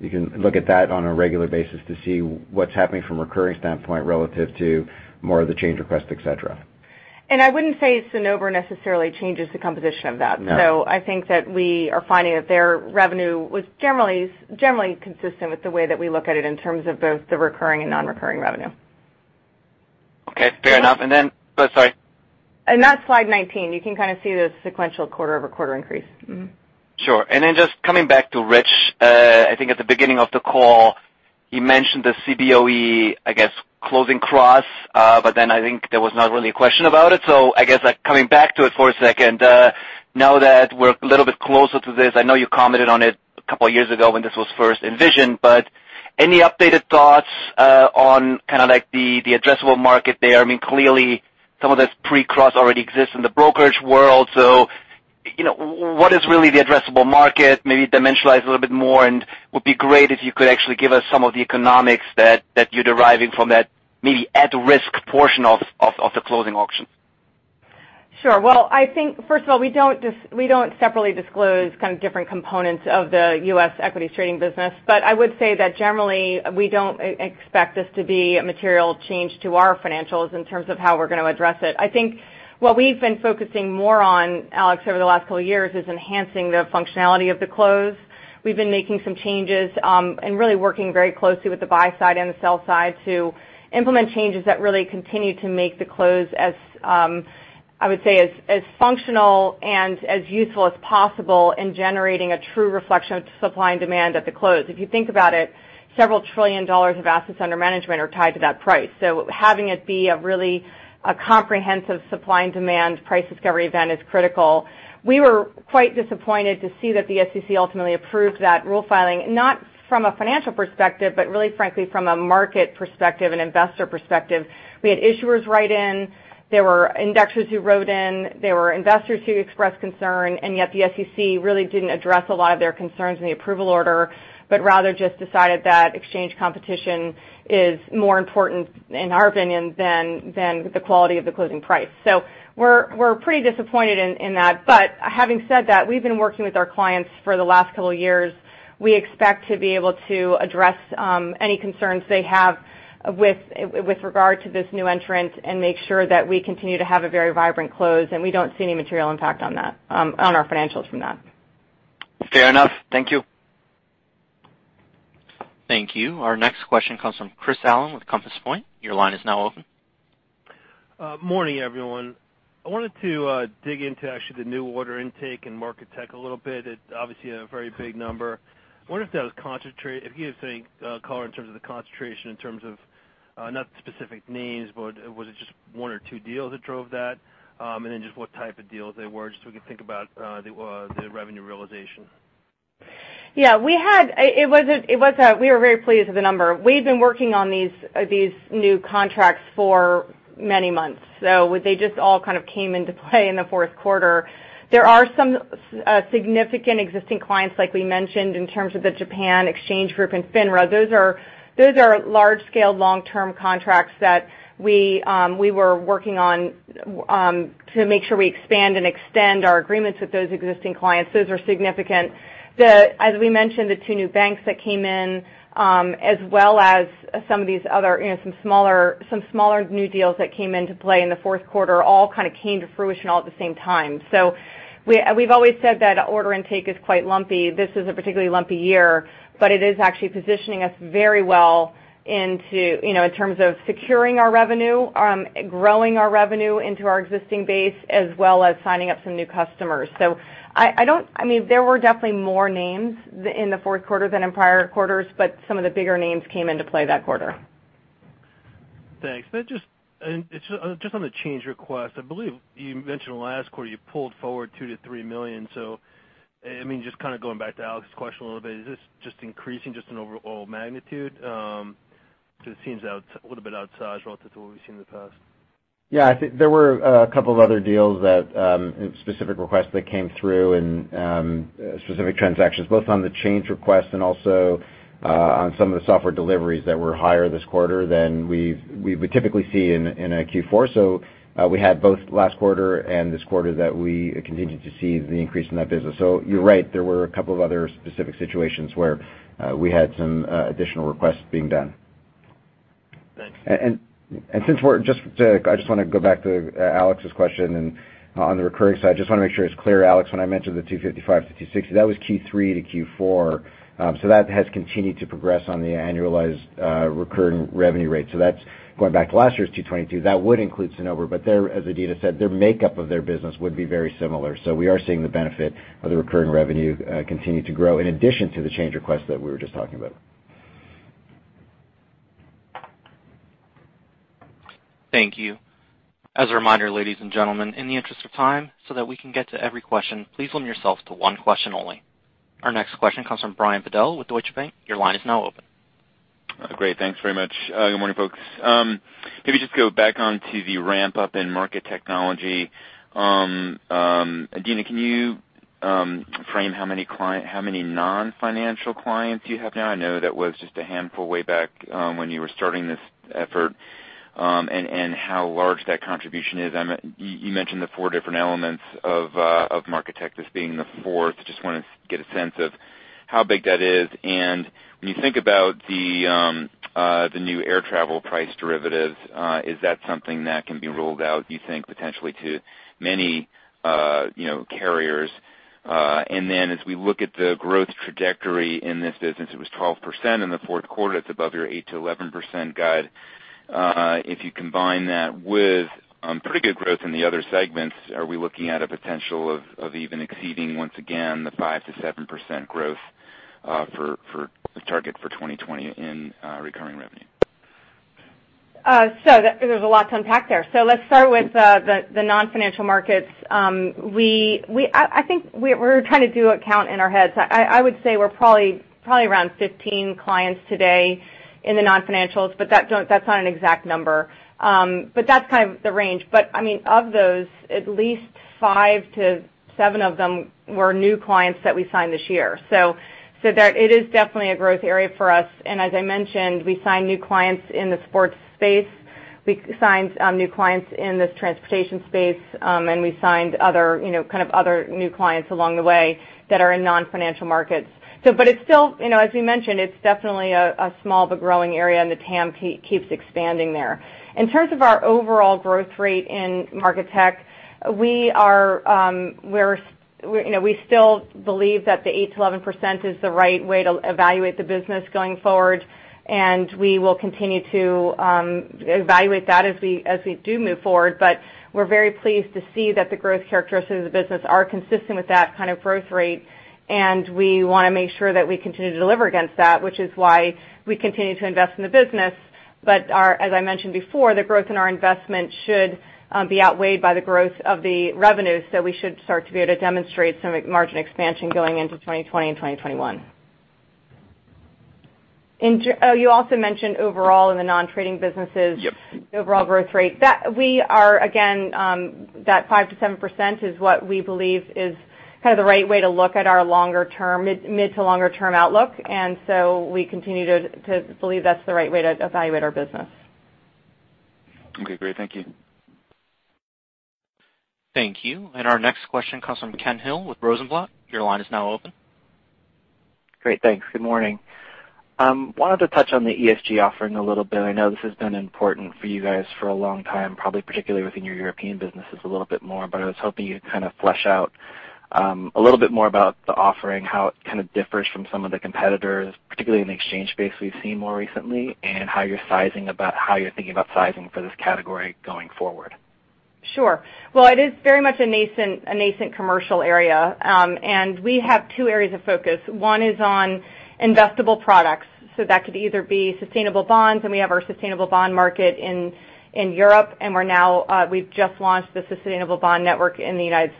You can look at that on a regular basis to see what's happening from a recurring standpoint relative to more of the change requests, et cetera. I wouldn't say Cinnober necessarily changes the composition of that. No. I think that we are finding that their revenue was generally consistent with the way that we look at it in terms of both the recurring and non-recurring revenue. Okay. Fair enough. Sorry. That's slide 19. You can kind of see the sequential quarter-over-quarter increase. Sure. Just coming back to Rich, I think at the beginning of the call, you mentioned the Cboe, I guess, closing cross, but then I think there was not really a question about it. I guess coming back to it for a second, now that we're a little bit closer to this, I know you commented on it a couple of years ago when this was first envisioned, but any updated thoughts on kind of the addressable market there? Clearly some of this pre-cross already exists in the brokerage world. What is really the addressable market? Maybe dimensionalize a little bit more, and would be great if you could actually give us some of the economics that you're deriving from that maybe at-risk portion of the closing auction. Sure. I think, first of all, we don't separately disclose kind of different components of the U.S. equities trading business. I would say that generally, we don't expect this to be a material change to our financials in terms of how we're going to address it. I think what we've been focusing more on, Alex, over the last couple of years is enhancing the functionality of the close. We've been making some changes, and really working very closely with the buy side and the sell side to implement changes that really continue to make the close, I would say, as functional and as useful as possible in generating a true reflection of supply and demand at the close. If you think about it, several trillion dollars of assets under management are tied to that price. Having it be a really comprehensive supply and demand price discovery event is critical. We were quite disappointed to see that the SEC ultimately approved that rule filing, not from a financial perspective, but really, frankly, from a market perspective and investor perspective. We had issuers write in, there were indexers who wrote in, there were investors who expressed concern, and yet the SEC really didn't address a lot of their concerns in the approval order, but rather just decided that exchange competition is more important, in our opinion, than the quality of the closing price. We're pretty disappointed in that. Having said that, we've been working with our clients for the last couple of years. We expect to be able to address any concerns they have with regard to this new entrant and make sure that we continue to have a very vibrant close, and we don't see any material impact on our financials from that. Fair enough. Thank you. Thank you. Our next question comes from Chris Allen with Compass Point. Your line is now open. Morning, everyone. I wanted to dig into actually the new order intake and MarketTech a little bit. It's obviously a very big number. I wonder if that was concentrated. If you could say, Carl, in terms of the concentration, in terms of not specific names, but was it just one or two deals that drove that? Then just what type of deals they were, just so we can think about the revenue realization. Yeah. We were very pleased with the number. We've been working on these new contracts for many months. They just all kind of came into play in the fourth quarter. There are some significant existing clients, like we mentioned, in terms of the Japan Exchange Group and FINRA. Those are large-scale, long-term contracts that we were working on to make sure we expand and extend our agreements with those existing clients. Those are significant. As we mentioned, the two new banks that came in, as well as some of these other smaller new deals that came into play in the fourth quarter, all kind of came to fruition all at the same time. We've always said that order intake is quite lumpy. This is a particularly lumpy year, but it is actually positioning us very well in terms of securing our revenue, growing our revenue into our existing base, as well as signing up some new customers. There were definitely more names in the fourth quarter than in prior quarters, but some of the bigger names came into play that quarter. Thanks. Just on the change request, I believe you mentioned last quarter you pulled forward $2 million-$3 million. Just kind of going back to Alex's question a little bit, is this just increasing in overall magnitude? Because it seems a little bit outsized relative to what we've seen in the past. Yeah, I think there were a couple of other deals that, specific requests that came through and specific transactions, both on the change request and also on some of the software deliveries that were higher this quarter than we would typically see in a Q4. We had both last quarter and this quarter that we continued to see the increase in that business. You're right, there were a couple of other specific situations where we had some additional requests being done. Thanks. I just want to go back to Alex's question and on the recurring side, just want to make sure it's clear, Alex, when I mentioned the $255-$260, that was Q3-Q4. That has continued to progress on the annualized recurring revenue rate. That's going back to last year's $222. That would include Cinnober, but as Adena said, their makeup of their business would be very similar. We are seeing the benefit of the recurring revenue continue to grow in addition to the change request that we were just talking about. Thank you. As a reminder, ladies and gentlemen, in the interest of time, so that we can get to every question, please limit yourselves to one question only. Our next question comes from Brian Bedell with Deutsche Bank. Your line is now open. Great. Thanks very much. Good morning, folks. Maybe just go back onto the ramp up in Market Technology. Adena, can you frame how many non-financial clients you have now? I know that was just a handful way back when you were starting this effort, and how large that contribution is. You mentioned the four different elements of MarketTech, this being the fourth. Just want to get a sense of how big that is. When you think about the new air travel price derivative, is that something that can be rolled out, do you think, potentially to many carriers? As we look at the growth trajectory in this business, it was 12% in the fourth quarter. It's above your 8%-11% guide. If you combine that with pretty good growth in the other segments, are we looking at a potential of even exceeding, once again, the 5%-7% growth target for 2020 in recurring revenue? There's a lot to unpack there. Let's start with the non-financial markets. I think we're trying to do a count in our heads. I would say we're probably around 15 clients today in the non-financials, but that's not an exact number. That's kind of the range. Of those, at least five to seven of them were new clients that we signed this year. It is definitely a growth area for us. As I mentioned, we signed new clients in the sports space. We signed new clients in the transportation space, and we signed other new clients along the way that are in non-financial markets. As we mentioned, it's definitely a small but growing area, and the TAM keeps expanding there. In terms of our overall growth rate in MarketTech, we still believe that the 8%-11% is the right way to evaluate the business going forward. We will continue to evaluate that as we do move forward. We're very pleased to see that the growth characteristics of the business are consistent with that kind of growth rate. We want to make sure that we continue to deliver against that, which is why we continue to invest in the business. As I mentioned before, the growth in our investment should be outweighed by the growth of the revenues. We should start to be able to demonstrate some margin expansion going into 2020 and 2021. You also mentioned overall in the non-trading businesses. Yep the overall growth rate. That 5%-7% is what we believe is kind of the right way to look at our mid to longer term outlook. We continue to believe that's the right way to evaluate our business. Okay, great. Thank you. Thank you. Our next question comes from Ken Hill with Rosenblatt. Your line is now open. Great. Thanks. Good morning. Wanted to touch on the ESG offering a little bit. I know this has been important for you guys for a long time, probably particularly within your European businesses a little bit more. I was hoping you'd flesh out a little bit more about the offering, how it kind of differs from some of the competitors, particularly in the exchange space we've seen more recently, and how you're thinking about sizing for this category going forward? Sure. Well, it is very much a nascent commercial area. We have two areas of focus. One is on investable products, so that could either be sustainable bonds, and we have our Sustainable Bond Market in Europe, and we've just launched the Nasdaq Sustainable Bond Network in the U.S.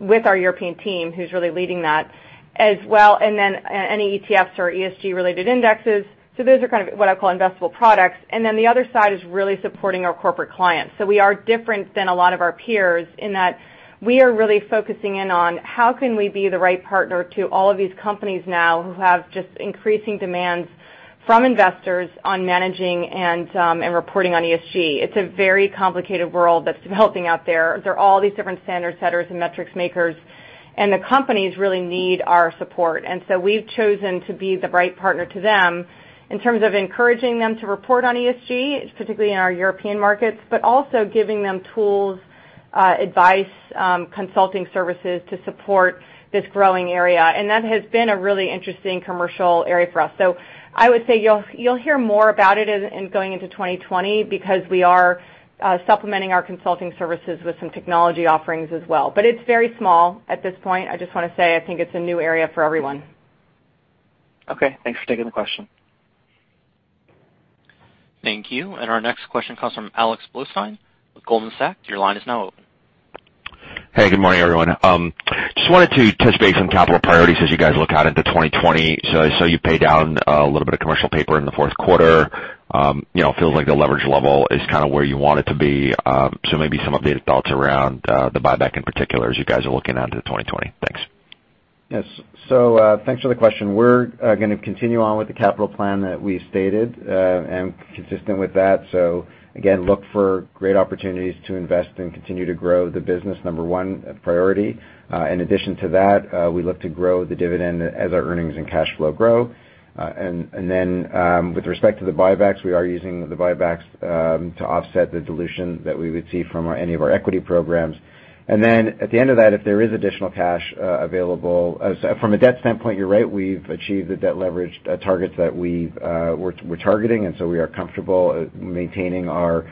with our European team, who's really leading that as well, and then any ETFs or ESG-related indexes. Those are kind of what I call investable products. The other side is really supporting our corporate clients. We are different than a lot of our peers in that we are really focusing in on how can we be the right partner to all of these companies now who have just increasing demands from investors on managing and reporting on ESG. It's a very complicated world that's developing out there. There are all these different standard setters and metrics makers, and the companies really need our support. We've chosen to be the right partner to them in terms of encouraging them to report on ESG, particularly in our European markets, but also giving them tools, advice, consulting services to support this growing area. That has been a really interesting commercial area for us. I would say you'll hear more about it going into 2020 because we are supplementing our consulting services with some technology offerings as well. It's very small at this point, I just want to say, I think it's a new area for everyone. Okay. Thanks for taking the question. Thank you. Our next question comes from Alex Blostein with Goldman Sachs. Your line is now open. Hey, good morning, everyone. Just wanted to touch base on capital priorities as you guys look out into 2020. I saw you pay down a little bit of commercial paper in the fourth quarter. It feels like the leverage level is kind of where you want it to be. Maybe some updated thoughts around the buyback in particular as you guys are looking out into 2020. Thanks. Yes. Thanks for the question. We're going to continue on with the capital plan that we stated, and consistent with that. Look for great opportunities to invest and continue to grow the business. Number one priority. In addition to that, we look to grow the dividend as our earnings and cash flow grow. With respect to the buybacks, we are using the buybacks to offset the dilution that we would see from any of our equity programs. At the end of that, From a debt standpoint, you're right, we've achieved the debt leverage targets that we're targeting. We are comfortable maintaining our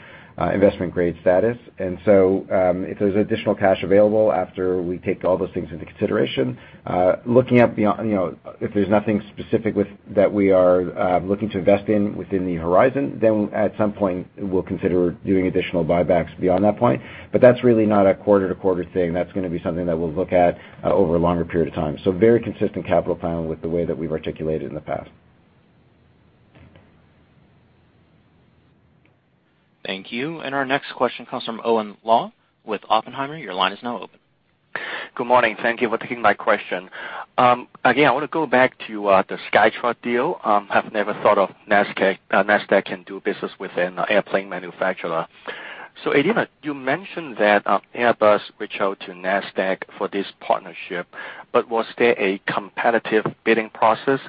investment grade status. If there's additional cash available after we take all those things into consideration, if there's nothing specific that we are looking to invest in within the horizon, then at some point, we'll consider doing additional buybacks beyond that point. That's really not a quarter-to-quarter thing. That's going to be something that we'll look at over a longer period of time. Very consistent capital plan with the way that we've articulated in the past. Thank you. Our next question comes from Owen Lau with Oppenheimer. Your line is now open. Good morning. Thank you for taking my question. I want to go back to the Skytra deal. I've never thought of Nasdaq can do business with an airplane manufacturer. Adena, you mentioned that Airbus reached out to Nasdaq for this partnership, was there a competitive bidding process?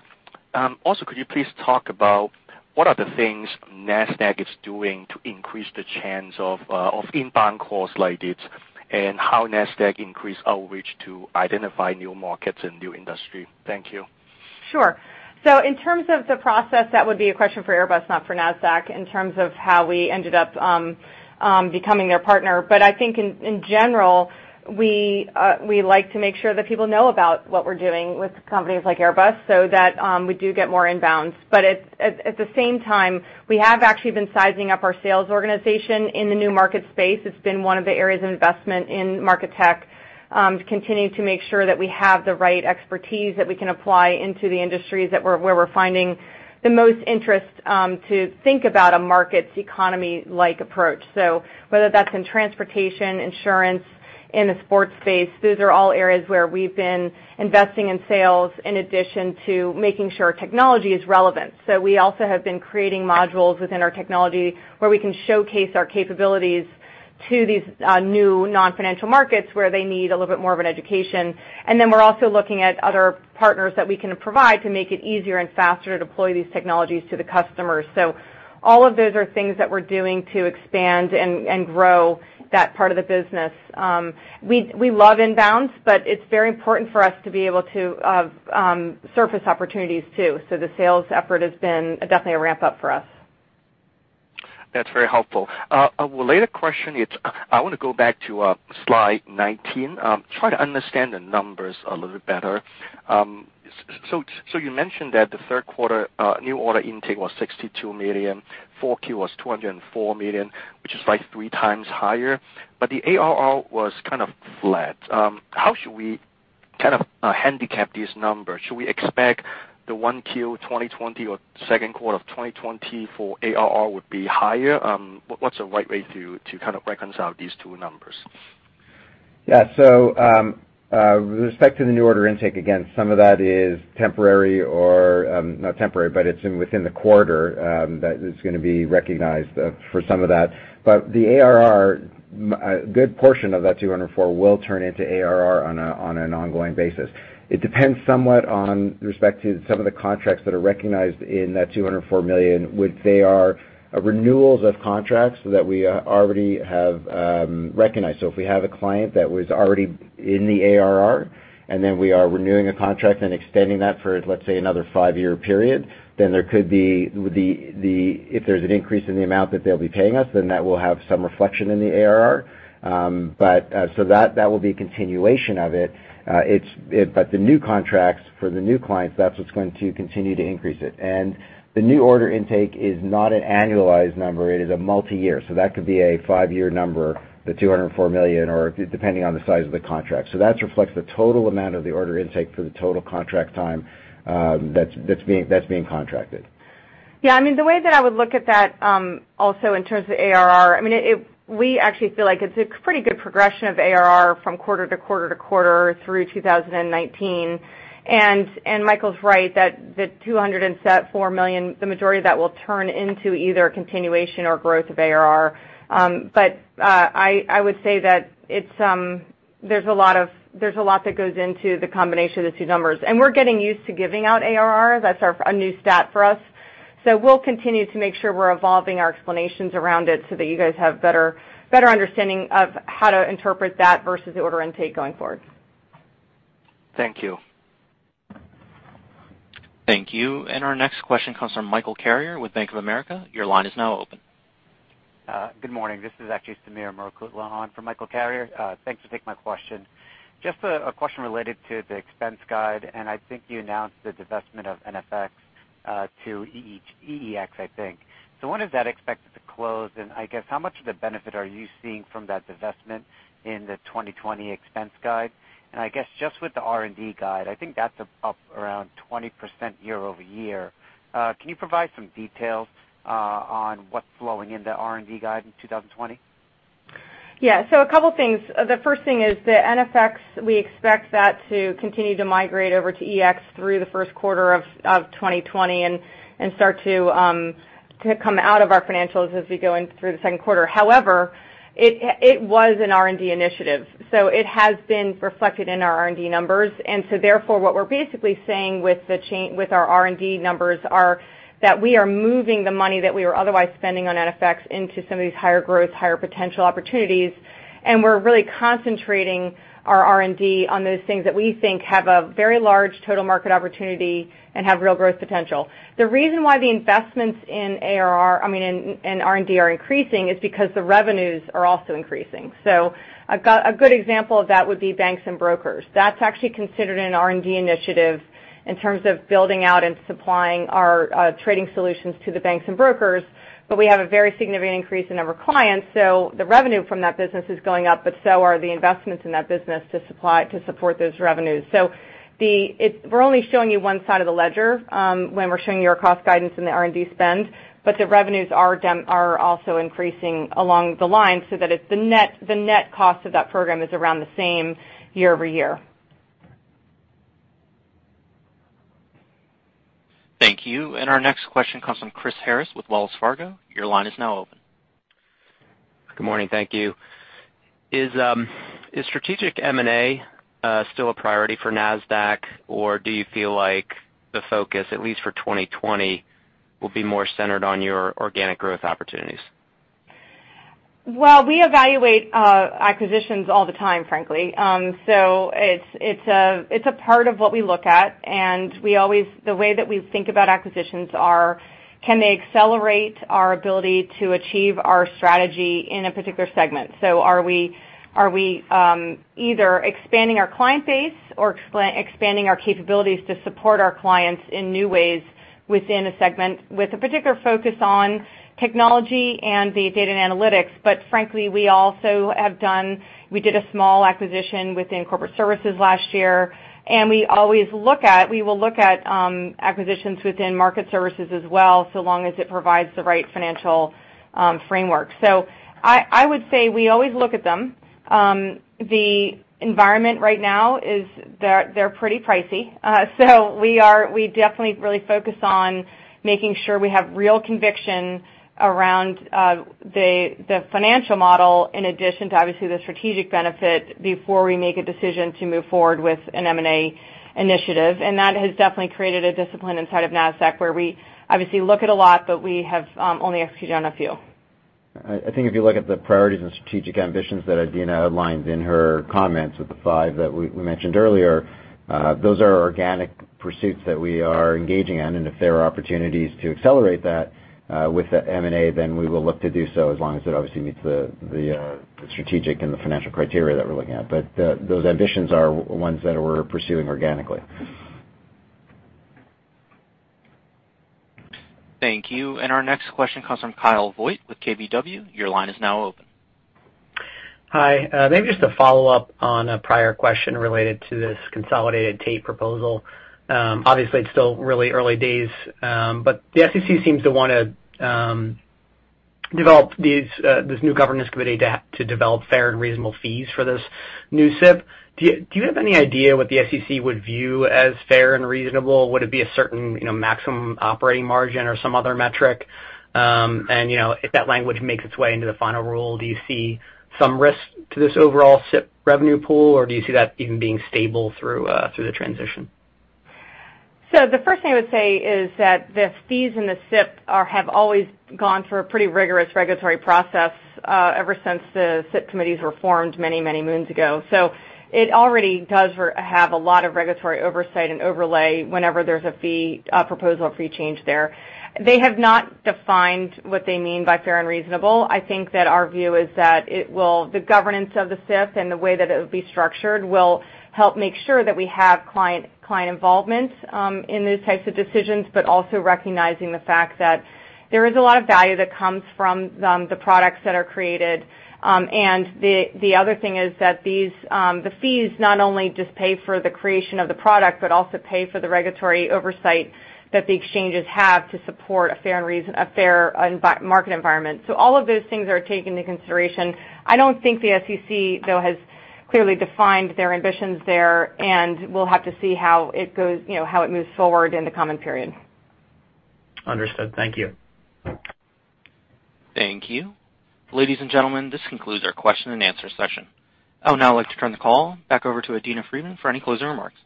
Could you please talk about what are the things Nasdaq is doing to increase the chance of inbound calls like this, and how Nasdaq increase outreach to identify new markets and new industry? Thank you. Sure. In terms of the process, that would be a question for Airbus, not for Nasdaq, in terms of how we ended up becoming their partner. I think in general, we like to make sure that people know about what we're doing with companies like Airbus so that we do get more inbounds. At the same time, we have actually been sizing up our sales organization in the new market space. It's been one of the areas of investment in market tech, to continue to make sure that we have the right expertise that we can apply into the industries where we're finding the most interest to think about a markets economy-like approach. Whether that's in transportation, insurance, in the sports space, those are all areas where we've been investing in sales in addition to making sure technology is relevant. We also have been creating modules within our technology where we can showcase our capabilities to these new non-financial markets where they need a little bit more of an education. We're also looking at other partners that we can provide to make it easier and faster to deploy these technologies to the customers. All of those are things that we're doing to expand and grow that part of the business. We love inbounds, but it's very important for us to be able to surface opportunities, too. The sales effort has been definitely a ramp-up for us. That's very helpful. A related question is, I want to go back to slide 19. Try to understand the numbers a little bit better. You mentioned that the third quarter new order intake was $62 million, 4Q was $204 million, which is like three times higher, but the ARR was kind of flat. How should we kind of handicap these numbers? Should we expect the Q1 2020 or second quarter of 2020 for ARR would be higher? What's the right way to kind of reconcile these two numbers? With respect to the new order intake, again, some of that is temporary or, not temporary, but it's within the quarter that is going to be recognized for some of that. The ARR, a good portion of that $204 million will turn into ARR on an ongoing basis. It depends somewhat with respect to some of the contracts that are recognized in that $204 million, which they are renewals of contracts that we already have recognized. If we have a client that was already in the ARR, and then we are renewing a contract and extending that for, let's say, another five-year period, then if there's an increase in the amount that they'll be paying us, then that will have some reflection in the ARR. That will be a continuation of it. The new contracts for the new clients, that's what's going to continue to increase it. The new order intake is not an annualized number, it is a multi-year. That could be a five-year number, the $204 million, or depending on the size of the contract. That reflects the total amount of the order intake for the total contract time that's being contracted. The way that I would look at that, also in terms of ARR, we actually feel like it's a pretty good progression of ARR from quarter to quarter to quarter through 2019. Michael's right, that the $204 million, the majority of that will turn into either a continuation or growth of ARR. I would say that there's a lot that goes into the combination of the two numbers. We're getting used to giving out ARR. That's a new stat for us. We'll continue to make sure we're evolving our explanations around it so that you guys have better understanding of how to interpret that versus the order intake going forward. Thank you. Thank you. Our next question comes from Michael Carrier with Bank of America. Your line is now open. Good morning. This is actually Sameer Murukutla on for Michael Carrier. Thanks for taking my question. A question related to the expense guide, I think you announced the divestment of NFX to EEX, I think. When is that expected to close, I guess how much of the benefit are you seeing from that divestment in the 2020 expense guide? I guess just with the R&D guide, I think that's up around 20% year-over-year. Can you provide some details on what's flowing into R&D guide in 2020? Yeah. A couple things. The first thing is that NFX, we expect that to continue to migrate over to EEX through the first quarter of 2020 and start to come out of our financials as we go in through the second quarter. However, it was an R&D initiative, so it has been reflected in our R&D numbers. Therefore, what we're basically saying with our R&D numbers are that we are moving the money that we were otherwise spending on NFX into some of these higher growth, higher potential opportunities, and we're really concentrating our R&D on those things that we think have a very large total market opportunity and have real growth potential. The reason why the investments in R&D are increasing is because the revenues are also increasing. A good example of that would be banks and brokers. That's actually considered an R&D initiative in terms of building out and supplying our trading solutions to the banks and brokers, but we have a very significant increase in number of clients. The revenue from that business is going up, but so are the investments in that business to support those revenues. We're only showing you one side of the ledger when we're showing you our cost guidance and the R&D spend, but the revenues are also increasing along the line so that the net cost of that program is around the same year-over-year. Thank you. Our next question comes from Chris Harris with Wells Fargo. Your line is now open. Good morning. Thank you. Is strategic M&A still a priority for Nasdaq, or do you feel like the focus, at least for 2020, will be more centered on your organic growth opportunities? Well, we evaluate acquisitions all the time, frankly. It's a part of what we look at, and the way that we think about acquisitions are, can they accelerate our ability to achieve our strategy in a particular segment? Are we either expanding our client base or expanding our capabilities to support our clients in new ways within a segment with a particular focus on technology and the data and analytics. Frankly, we did a small acquisition within corporate services last year, and we will look at acquisitions within market services as well, so long as it provides the right financial framework. I would say we always look at them. The environment right now is they're pretty pricey. We definitely really focus on making sure we have real conviction around the financial model, in addition to, obviously, the strategic benefit before we make a decision to move forward with an M&A initiative. That has definitely created a discipline inside of Nasdaq, where we obviously look at a lot, but we have only executed on a few. I think if you look at the priorities and strategic ambitions that Adena outlined in her comments with the five that we mentioned earlier, those are organic pursuits that we are engaging in. If there are opportunities to accelerate that with the M&A, then we will look to do so as long as it obviously meets the strategic and the financial criteria that we're looking at. Those ambitions are ones that we're pursuing organically. Thank you. Our next question comes from Kyle Voigt with KBW. Your line is now open. Hi. Maybe just to follow up on a prior question related to this consolidated tape proposal. Obviously, it's still really early days, but the SEC seems to want to. Develop this new governance committee to develop fair and reasonable fees for this new SIP. Do you have any idea what the SEC would view as fair and reasonable? Would it be a certain maximum operating margin or some other metric? If that language makes its way into the final rule, do you see some risk to this overall SIP revenue pool, or do you see that even being stable through the transition? The first thing I would say is that the fees in the SIP have always gone through a pretty rigorous regulatory process ever since the SIP committees were formed many moons ago. It already does have a lot of regulatory oversight and overlay whenever there's a proposal or fee change there. They have not defined what they mean by fair and reasonable. I think that our view is that the governance of the SIP and the way that it would be structured will help make sure that we have client involvement in these types of decisions, but also recognizing the fact that there is a lot of value that comes from the products that are created. The other thing is that the fees not only just pay for the creation of the product but also pay for the regulatory oversight that the exchanges have to support a fair market environment. All of those things are taken into consideration. I don't think the SEC, though, has clearly defined their ambitions there, and we'll have to see how it moves forward in the coming period. Understood. Thank you. Thank you. Ladies and gentlemen, this concludes our question-and-answer session. I would now like to turn the call back over to Adena Friedman for any closing remarks.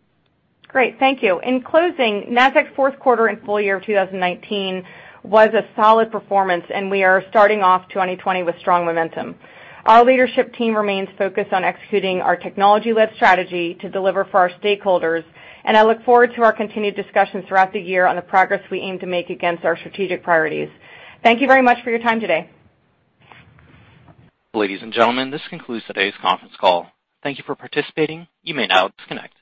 Great. Thank you. In closing, Nasdaq's fourth quarter and full-year of 2019 was a solid performance, and we are starting off 2020 with strong momentum. Our leadership team remains focused on executing our technology-led strategy to deliver for our stakeholders, and I look forward to our continued discussions throughout the year on the progress we aim to make against our strategic priorities. Thank you very much for your time today. Ladies and gentlemen, this concludes today's conference call. Thank you for participating. You may now disconnect.